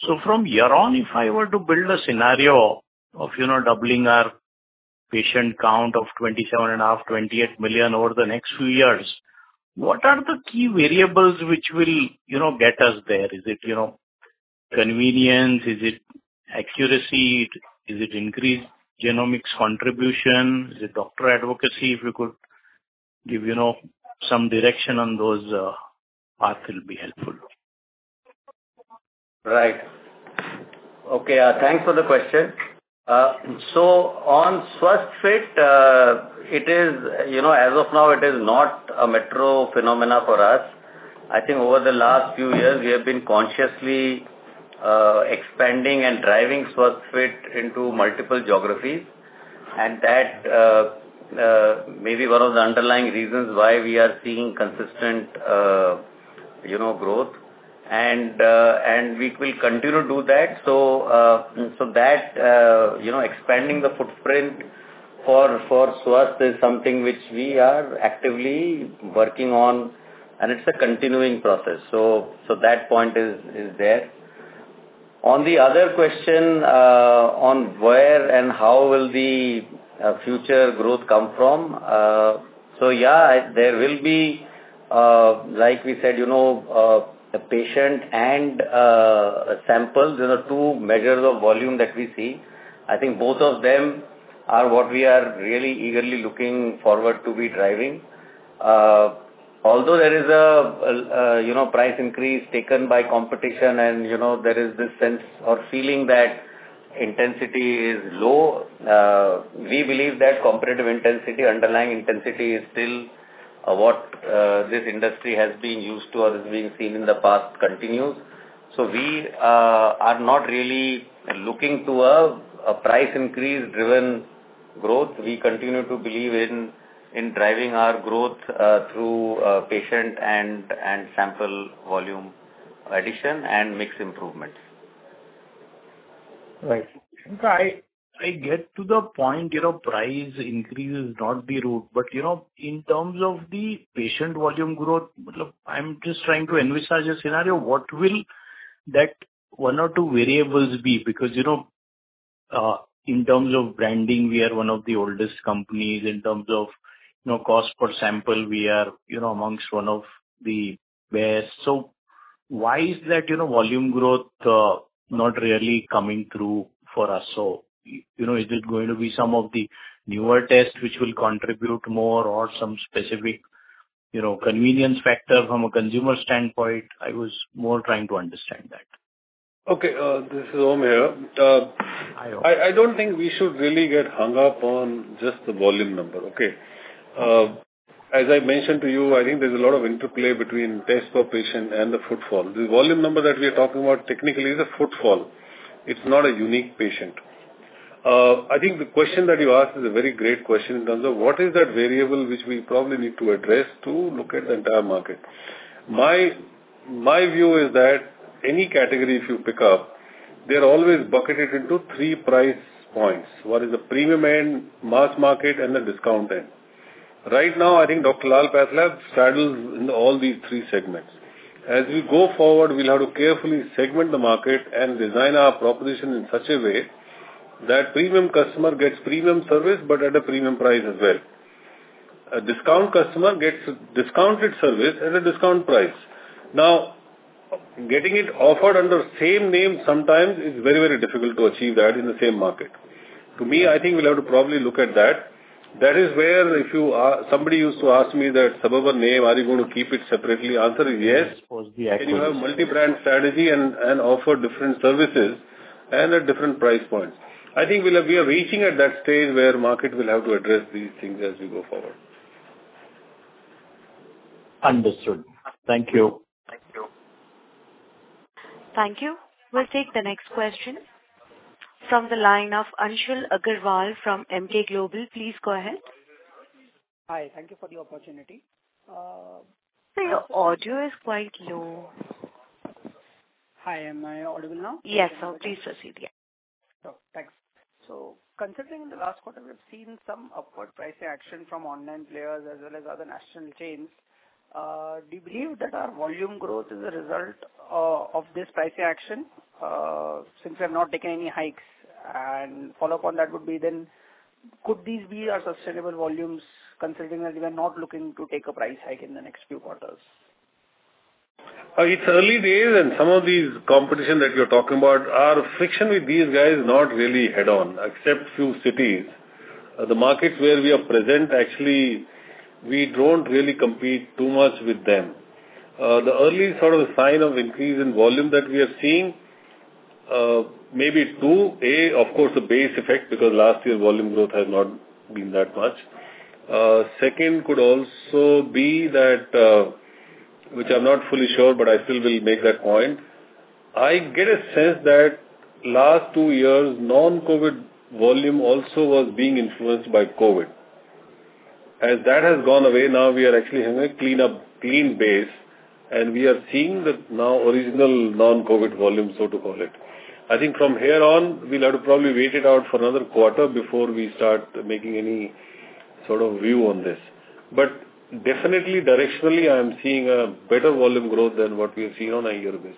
So from here on, if I were to build a scenario of doubling our patient count of 27.5-28 million over the next few years, what are the key variables which will get us there? Is it convenience? Is it accuracy? Is it increased genomics contribution? Is it doctor advocacy? If you could give some direction on those, that will be helpful. Right. Okay. Thanks for the question. So on Swasthfit, as of now, it is not a metro phenomenon for us. I think over the last few years, we have been consciously expanding and driving Swasthfit into multiple geographies. And that may be one of the underlying reasons why we are seeing consistent growth. And we will continue to do that. So that expanding the footprint for Swasthfit is something which we are actively working on, and it's a continuing process. So that point is there. On the other question, on where and how will the future growth come from? So yeah, there will be, like we said, a patient and a sample. There are two measures of volume that we see. I think both of them are what we are really eagerly looking forward to be driving. Although there is a price increase taken by competition, and there is this sense or feeling that intensity is low, we believe that competitive intensity, underlying intensity, is still what this industry has been used to or has been seen in the past continues. So we are not really looking toward a price increase-driven growth. We continue to believe in driving our growth through patient and sample volume addition and mix improvements. Right. I get to the point. Price increase is not the root. But in terms of the patient volume growth, I'm just trying to envisage a scenario. What will that one or two variables be? Because in terms of branding, we are one of the oldest companies. In terms of cost per sample, we are amongst one of the best. So why is that volume growth not really coming through for us? So is it going to be some of the newer tests which will contribute more or some specific convenience factor from a consumer standpoint? I was more trying to understand that. Okay. This is Om Manchanda. I don't think we should really get hung up on just the volume number. Okay. As I mentioned to you, I think there's a lot of interplay between test for patient and the footfall. The volume number that we are talking about technically is a footfall. It's not a unique patient. I think the question that you asked is a very great question in terms of what is that variable which we probably need to address to look at the entire market? My view is that any category if you pick up, they're always bucketed into three price points: what is the premium end, mass market, and the discount end. Right now, I think Dr Lal PathLabs straddles in all these three segments. As we go forward, we'll have to carefully segment the market and design our proposition in such a way that premium customer gets premium service but at a premium price as well. A discount customer gets discounted service at a discount price. Now, getting it offered under same name sometimes is very, very difficult to achieve that in the same market. To me, I think we'll have to probably look at that. That is where if somebody used to ask me that Suburban name, are you going to keep it separately? Answer is yes. And you have multi-brand strategy and offer different services and a different price point. I think we are reaching at that stage where market will have to address these things as we go forward. Understood. Thank you. Thank you. We'll take the next question from the line of Anshul Agarwal from Emkay Global. Please go ahead. Hi. Thank you for the opportunity. Your audio is quite low. Hi. Am I audible now? Yes. Please proceed. Thanks. So considering in the last quarter, we've seen some upward price action from online players as well as other national chains, do you believe that our volume growth is a result of this price action since we have not taken any hikes? And follow-up on that would be then, could these be our sustainable volumes considering that we are not looking to take a price hike in the next few quarters? It's early days, and some of these competition that you're talking about, our friction with these guys is not really head-on, except few cities. The markets where we are present, actually, we don't really compete too much with them. The early sort of sign of increase in volume that we are seeing may be two. A, of course, a base effect because last year, volume growth has not been that much. Second, could also be that which I'm not fully sure, but I still will make that point. I get a sense that last two years, non-COVID volume also was being influenced by COVID. As that has gone away, now we are actually having a clean base, and we are seeing the now original non-COVID volume, so to call it. I think from here on, we'll have to probably wait it out for another quarter before we start making any sort of view on this. But definitely, directionally, I'm seeing a better volume growth than what we have seen on a year basis.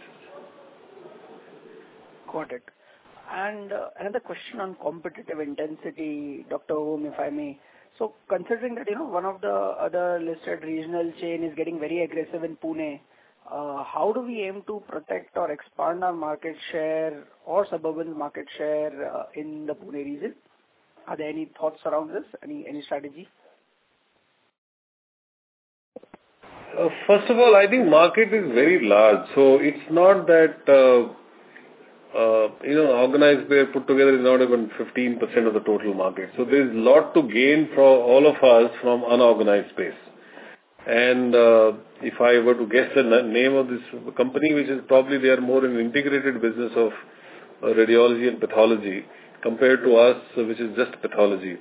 Got it. Another question on competitive intensity, Dr. Om, if I may. Considering that one of the other listed regional chain is getting very aggressive in Pune, how do we aim to protect or expand our market share or suburban market share in the Pune region? Are there any thoughts around this? Any strategy? First of all, I think market is very large. So it's not that organized space put together is not even 15% of the total market. So there's a lot to gain for all of us from unorganized space. And if I were to guess the name of this company, which is probably they are more an integrated business of radiology and pathology compared to us, which is just pathology.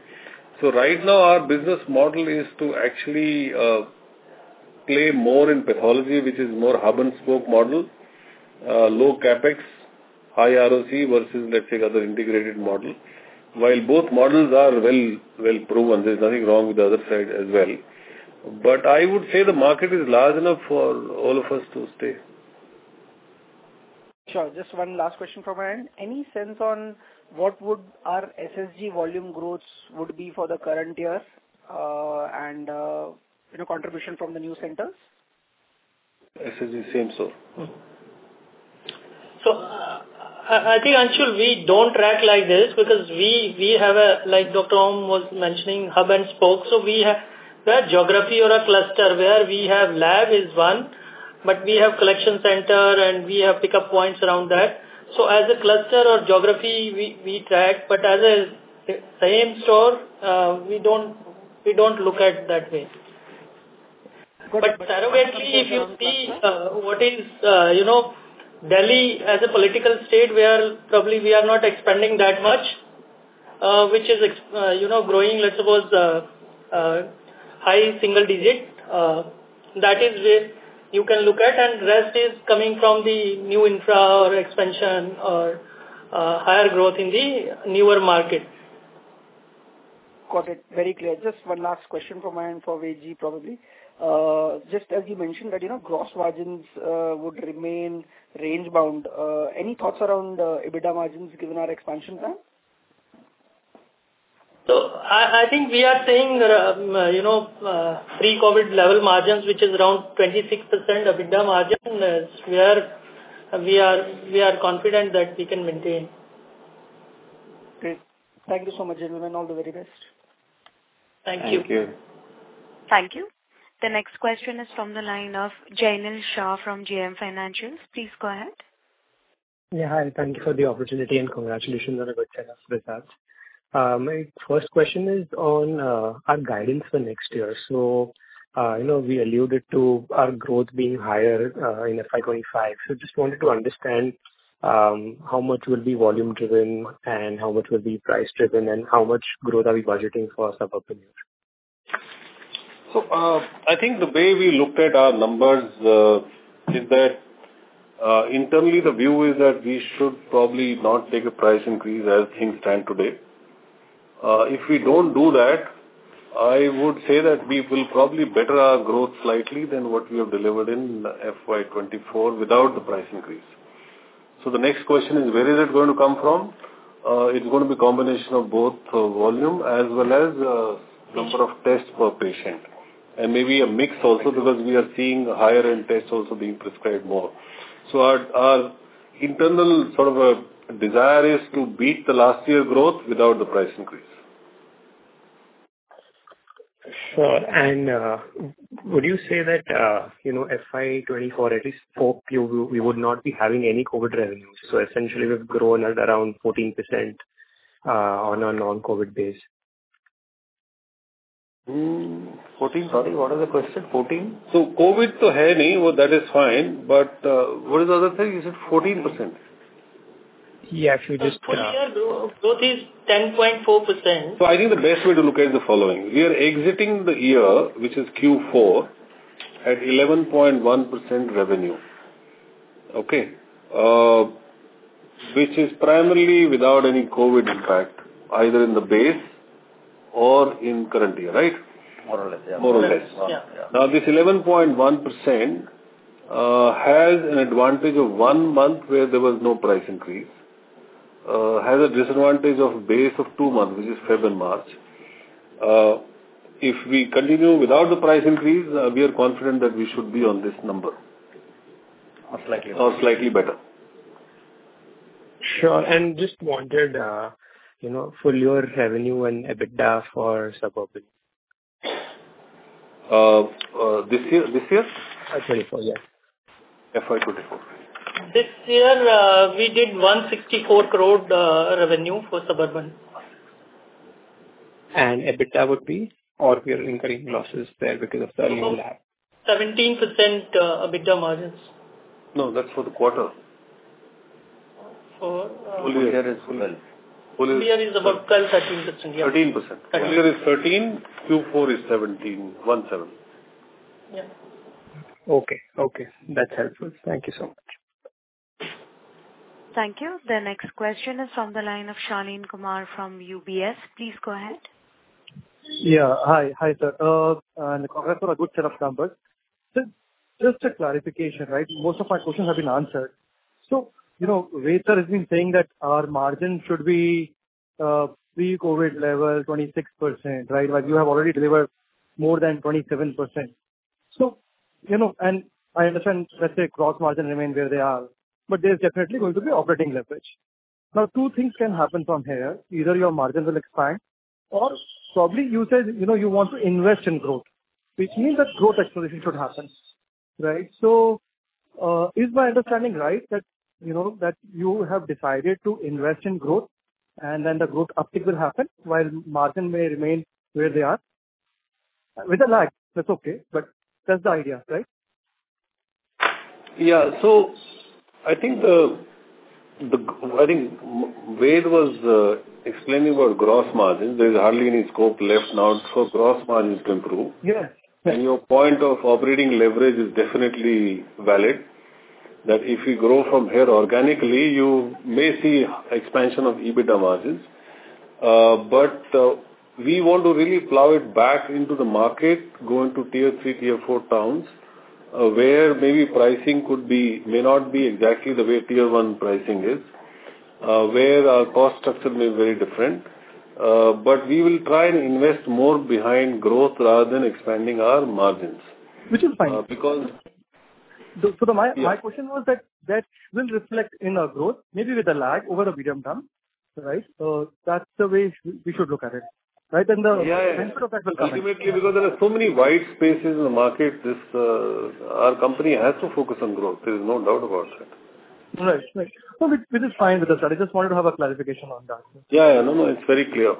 So right now, our business model is to actually play more in pathology, which is more hub-and-spoke model, low CapEx, high ROC versus, let's say, another integrated model. While both models are well-proven, there's nothing wrong with the other side as well. But I would say the market is large enough for all of us to stay. Sure. Just one last question from my end. Any sense on what our SSG volume growth would be for the current year and contribution from the new centers? SSG, same store. So I think, Anshul, we don't track like this because we have a, like Dr. Om was mentioning, hub-and-spoke. So that geography or a cluster where we have lab is one, but we have collection center, and we have pickup points around that. So as a cluster or geography, we track. But as a same store, we don't look at that way. But granularly, if you see what is Delhi as a political state, probably we are not expanding that much, which is growing, let's suppose, high single digit. That is where you can look at. And the rest is coming from the new infra or expansion or higher growth in the newer market. Got it. Very clear. Just one last question from my end for VG, probably. Just as you mentioned that gross margins would remain range-bound. Any thoughts around EBITDA margins given our expansion plan? So I think we are staying at a pre-COVID level margins, which is around 26% EBITDA margin. We are confident that we can maintain. Great. Thank you so much, gentlemen. All the very best. Thank you. Thank you. Thank you. The next question is from the line of Jainil Shah from JM Financial. Please go ahead. Yeah. Hi. Thank you for the opportunity, and congratulations on a good set of results. My first question is on our guidance for next year. So we alluded to our growth being higher in FY25. So I just wanted to understand how much will be volume-driven and how much will be price-driven, and how much growth are we budgeting for Suburban use? So I think the way we looked at our numbers is that internally, the view is that we should probably not take a price increase as things stand today. If we don't do that, I would say that we will probably better our growth slightly than what we have delivered in FY24 without the price increase. So the next question is, where is it going to come from? It's going to be a combination of both volume as well as a number of tests per patient and maybe a mix also because we are seeing higher-end tests also being prescribed more. So our internal sort of desire is to beat the last year growth without the price increase. Sure. And would you say that FY24, at least for PU, we would not be having any COVID revenues? So essentially, we've grown at around 14% on a non-COVID base. 14%? Sorry. What was the question? 14? So COVID too hasn't happened. That is fine. But what is the other thing? You said 14%. Yeah. If you just. For the year, growth is 10.4%. So I think the best way to look at is the following. We are exiting the year, which is Q4, at 11.1% revenue, okay, which is primarily without any COVID impact either in the base or in current year, right? More or less. Yeah. More or less. Now, this 11.1% has an advantage of one month where there was no price increase, has a disadvantage of base of two months, which is February and March. If we continue without the price increase, we are confident that we should be on this number. Or slightly better. Or slightly better. Sure. Just wondered for your revenue and EBITDA for Suburban. This year? FY24. Yes. FY24. This year, we did 164 crore revenue for Suburban. EBITDA would be? Or we are incurring losses there because of the new lab? 17% EBITDA margins. No. That's for the quarter. For. Full year is 12. Full year is about 12%-13%. Yeah. 13%. Full year is 13%. Q4 is 17%, 17%. Yeah. Okay. Okay. That's helpful. Thank you so much. Thank you. The next question is from the line of Shaleen Kumar from UBS. Please go ahead. Yeah. Hi. Hi, sir. And congratulations, a good set of numbers. Just a clarification, right? Most of my questions have been answered. So Ved sir has been saying that our margin should be pre-COVID level, 26%, right, while you have already delivered more than 27%. And I understand, let's say, gross margin remains where they are, but there's definitely going to be operating leverage. Now, two things can happen from here. Either your margin will expand or probably you said you want to invest in growth, which means that growth acceleration should happen, right? So is my understanding right that you have decided to invest in growth, and then the growth uptick will happen while margin may remain where they are? With a lag, that's okay. But that's the idea, right? Yeah. So I think Ved was explaining about gross margins. There's hardly any scope left now for gross margins to improve. And your point of operating leverage is definitely valid, that if we grow from here organically, you may see expansion of EBITDA margins. But we want to really plow it back into the market, going to Tier 3, Tier 4 towns where maybe pricing may not be exactly the way Tier 1 pricing is, where our cost structure may be very different. But we will try and invest more behind growth rather than expanding our margins. Which is fine. Because so my question was that will reflect in our growth, maybe with a lag over the medium term, right? That's the way we should look at it, right? And the benefit of that will come. Yeah. Yeah. Ultimately, because there are so many white spaces in the market, our company has to focus on growth. There is no doubt about it. Right. Right. No, which is fine with us. I just wanted to have a clarification on that. Yeah. Yeah. No, no. It's very clear.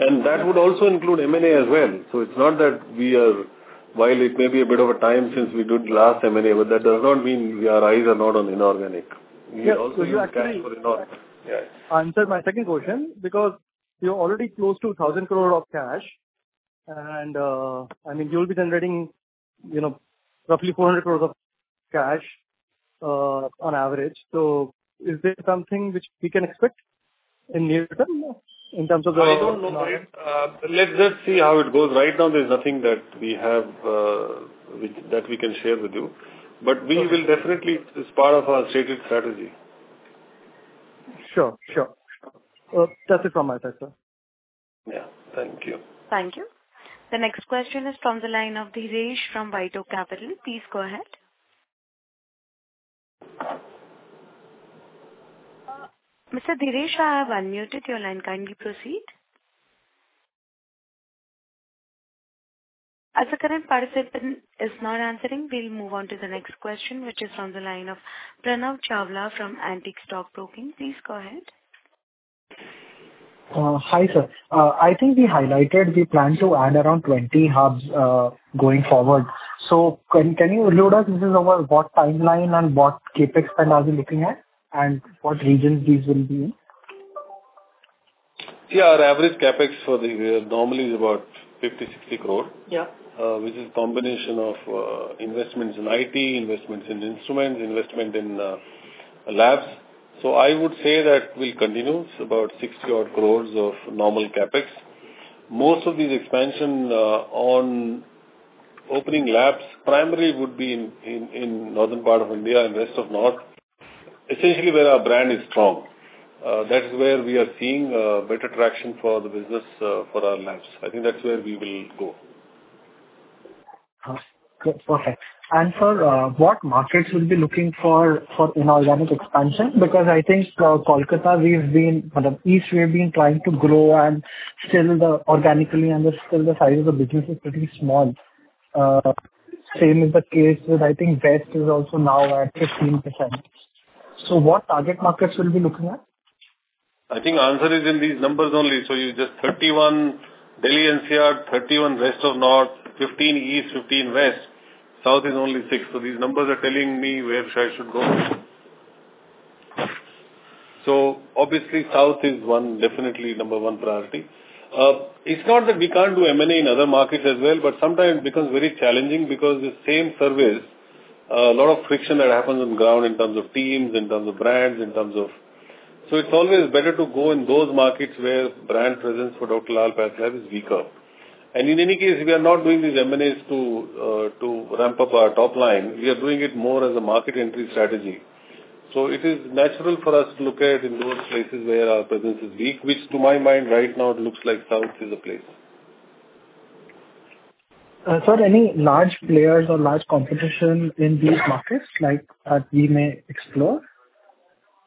And that would also include M&A as well. So it's not that we are while it may be a bit of a time since we did last M&A, but that does not mean our eyes are not on inorganic. We also use cash for inorganic. Yeah. So you actually answered my second question because you're already close to 1,000 crore of cash. And I mean, you'll be generating roughly 400 crore of cash on average. So is there something which we can expect in near term in terms of the? I don't know. Let's just see how it goes. Right now, there's nothing that we have that we can share with you. But we will definitely it's part of our stated strategy. Sure. Sure. That's it from my side, sir. Yeah. Thank you. Thank you. The next question is from the line of Dheeresh from Vito Capital. Please go ahead. Mr. Dheeresh, I have unmuted your line. Kindly proceed. As the current participant is not answering, we'll move on to the next question, which is from the line of Pranav Chavla from Antique Stock Broking. Please go ahead. Hi, sir. I think we highlighted we plan to add around 20 hubs going forward. So can you tell us this is over what timeline and what CapEx spend are we looking at and what regions these will be in? Yeah. Our average CapEx for the year normally is about 50-60 crore, which is a combination of investments in IT, investments in instruments, investment in labs. So I would say that will continue about 60-odd crores of normal CapEx. Most of these expansions on opening labs, primarily would be in northern part of India and west of north, essentially where our brand is strong. That is where we are seeing better traction for the business for our labs. I think that's where we will go. Good. Perfect. And sir, what markets will be looking for inorganic expansion? Because I think Kolkata, we've been kind of east, we've been trying to grow, and still, organically, and still, the size of the business is pretty small. Same is the case with, I think, west is also now at 15%. So what target markets will we be looking at? I think the answer is in these numbers only. So just 31 Delhi and NCR, 31 west and north, 15 east, 15 west. South is only 6. So these numbers are telling me where I should go. So obviously, south is definitely number one priority. It's not that we can't do M&A in other markets as well, but sometimes it becomes very challenging because the same service, a lot of friction that happens on the ground in terms of teams, in terms of brands, in terms of so it's always better to go in those markets where brand presence for Dr Lal PathLabs is weaker. And in any case, we are not doing these M&As to ramp up our top line. We are doing it more as a market entry strategy. So it is natural for us to look at in those places where our presence is weak, which, to my mind, right now, it looks like south is a place. Sir, any large players or large competition in these markets that we may explore?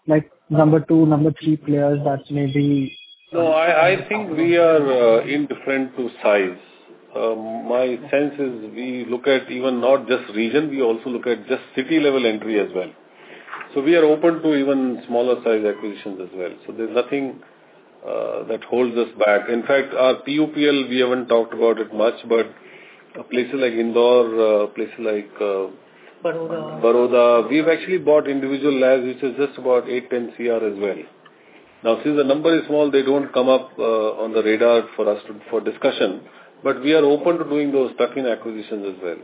Like number two, number three players that maybe. No. I think we are indifferent to size. My sense is we look at even not just region. We also look at just city-level entry as well. So we are open to even smaller-sized acquisitions as well. So there's nothing that holds us back. In fact, our PUP, we haven't talked about it much, but places like Indore, places like. Baroda. Baroda. We've actually bought individual labs, which is just about 8-10 centers as well. Now, since the number is small, they don't come up on the radar for discussion. But we are open to doing those tuck-in acquisitions as well.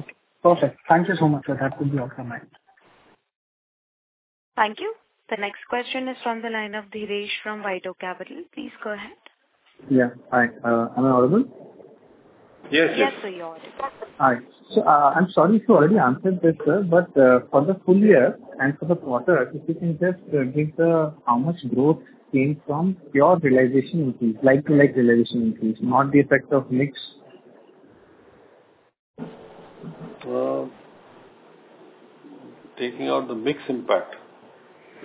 Okay. Perfect. Thank you so much, sir. That would be all from me. Thank you. The next question is from the line of Dheeresh from Vito Capital. Please go ahead. Yeah. Hi. Am I audible? Yes. Yes. Yes, sir. You're audible. Hi. So I'm sorry if you already answered this, sir, but for the full year and for the quarter, if you can just give how much growth came from your realization increase, like-to-like realization increase, not the effect of mix. Taking out the mix impact.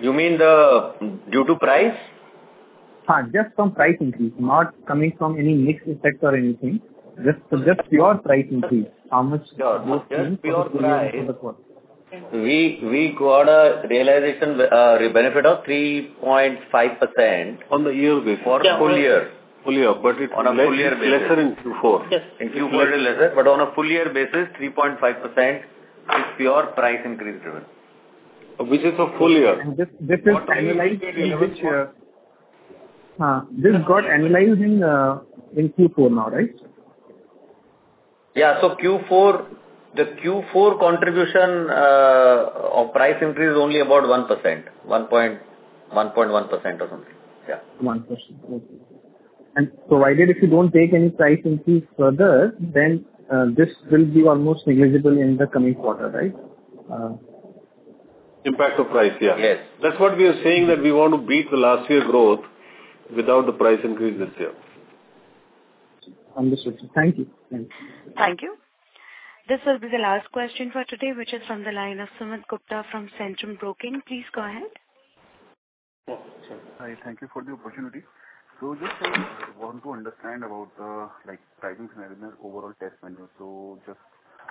You mean due to price? Hi. Just from price increase, not coming from any mix effect or anything. Just pure price increase, how much growth came from? Yeah. Just pure price. We got a realization benefit of 3.5%. On the year basis? For the full year. Full year. But it's lesser in Q4. In Q4, it is lesser. But on a full year basis, 3.5% is pure price increase driven, which is for full year. This is analyzed in which year? Huh. This got analyzed in Q4 now, right? Yeah. So the Q4 contribution of price increase is only about 1%, 1.1% or something. Yeah. 1%. Okay. And so why did if you don't take any price increase further, then this will be almost negligible in the coming quarter, right? Impact of price. Yeah. That's what we are saying, that we want to beat the last year growth without the price increase this year. Understood, sir. Thank you. Thank you. Thank you. This will be the last question for today, which is from the line of Sumit Gupta from Centrum Broking. Please go ahead. Sure. Thank you for the opportunity. So just want to understand about the pricing scenarios overall test menu. So just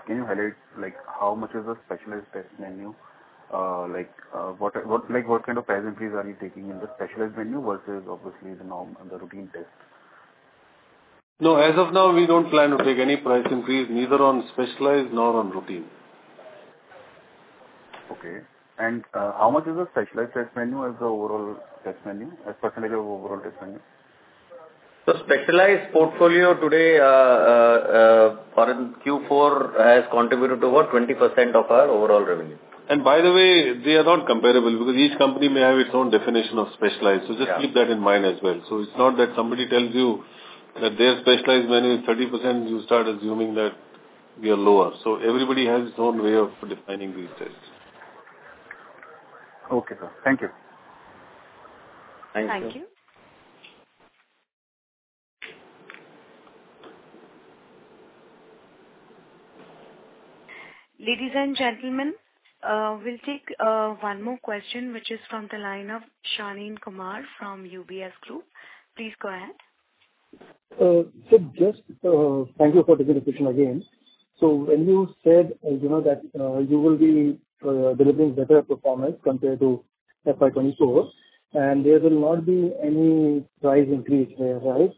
can you highlight how much is the specialized test menu? What kind of price increase are you taking in the specialized menu versus, obviously, the routine test? No. As of now, we don't plan to take any price increase, neither on specialized nor on routine. Okay. And how much is the specialized test menu as the overall test menu, as percentage of overall test menu? The specialized portfolio today in Q4 has contributed to about 20% of our overall revenue. By the way, they are not comparable because each company may have its own definition of specialized. Just keep that in mind as well. It's not that somebody tells you that their specialized menu is 30%. You start assuming that we are lower. Everybody has its own way of defining these tests. Okay, sir. Thank you. Thank you. Thank you. Ladies and gentlemen, we'll take one more question, which is from the line of Shaleen Kumar from UBS Group. Please go ahead. So just thank you for taking the question again. So when you said that you will be delivering better performance compared to FY24, and there will not be any price increase there, right?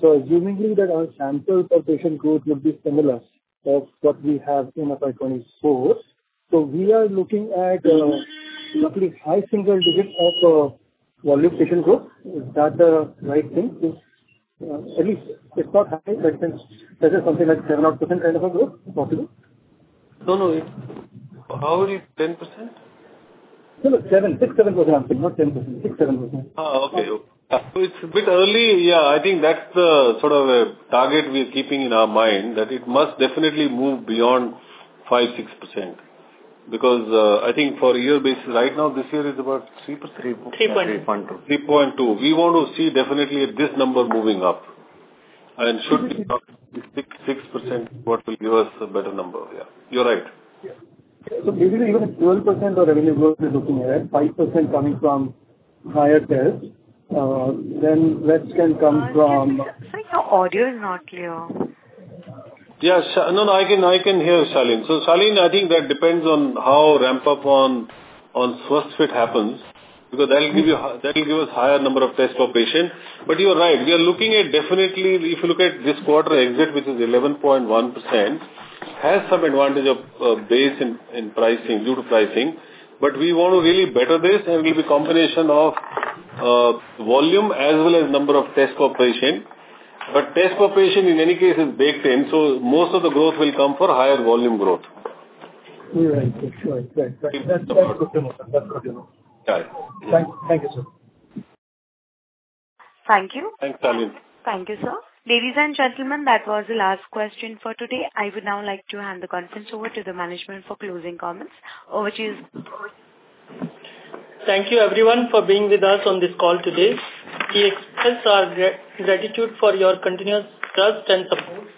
So assuming that our sample per patient growth would be similar to what we have in FY24, so we are looking at roughly high single digit of volume patient growth. Is that the right thing? At least it's not high, but it says something like 7%-odd kind of a growth, possibly. No, no. How many? 10%? No, no. 6%-7%, I'm saying. Not 10%. 6%-7%. Oh, okay. So it's a bit early. Yeah. I think that's the sort of target we are keeping in our mind, that it must definitely move beyond 5.6% because I think for a year basis, right now, this year is about 3.2%. We want to see definitely this number moving up and should be 6.6%, what will give us a better number. Yeah. You're right. Yeah. So basically, even at 12% of revenue growth we're looking at, 5% coming from higher tests, then rest can come from. Sorry, your audio is not clear. Yeah. No, no. I can hear Shaleen. So Shaleen, I think that depends on how ramp-up on Swasthfit happens because that will give us a higher number of tests per patient. But you're right. We are looking at definitely if you look at this quarter exit, which is 11.1%, has some advantage of base due to pricing. But we want to really better this, and it will be a combination of volume as well as number of tests per patient. But tests per patient, in any case, is baked in. So most of the growth will come for higher volume growth. You're right. That's right. Right. That's good to know. That's good to know. Got it. Thank you, sir. Thank you. Thanks, Shaleen. Thank you, sir. Ladies and gentlemen, that was the last question for today. I would now like to hand the conference over to the management for closing comments, over to you. Thank you, everyone, for being with us on this call today. We express our gratitude for your continuous trust and support.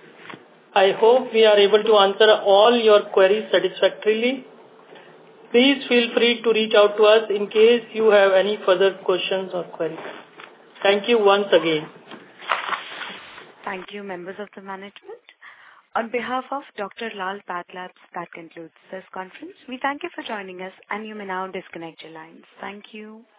I hope we are able to answer all your queries satisfactorily. Please feel free to reach out to us in case you have any further questions or queries. Thank you once again. Thank you, members of the management. On behalf of Dr Lal PathLabs, that concludes this conference. We thank you for joining us, and you may now disconnect your lines. Thank you.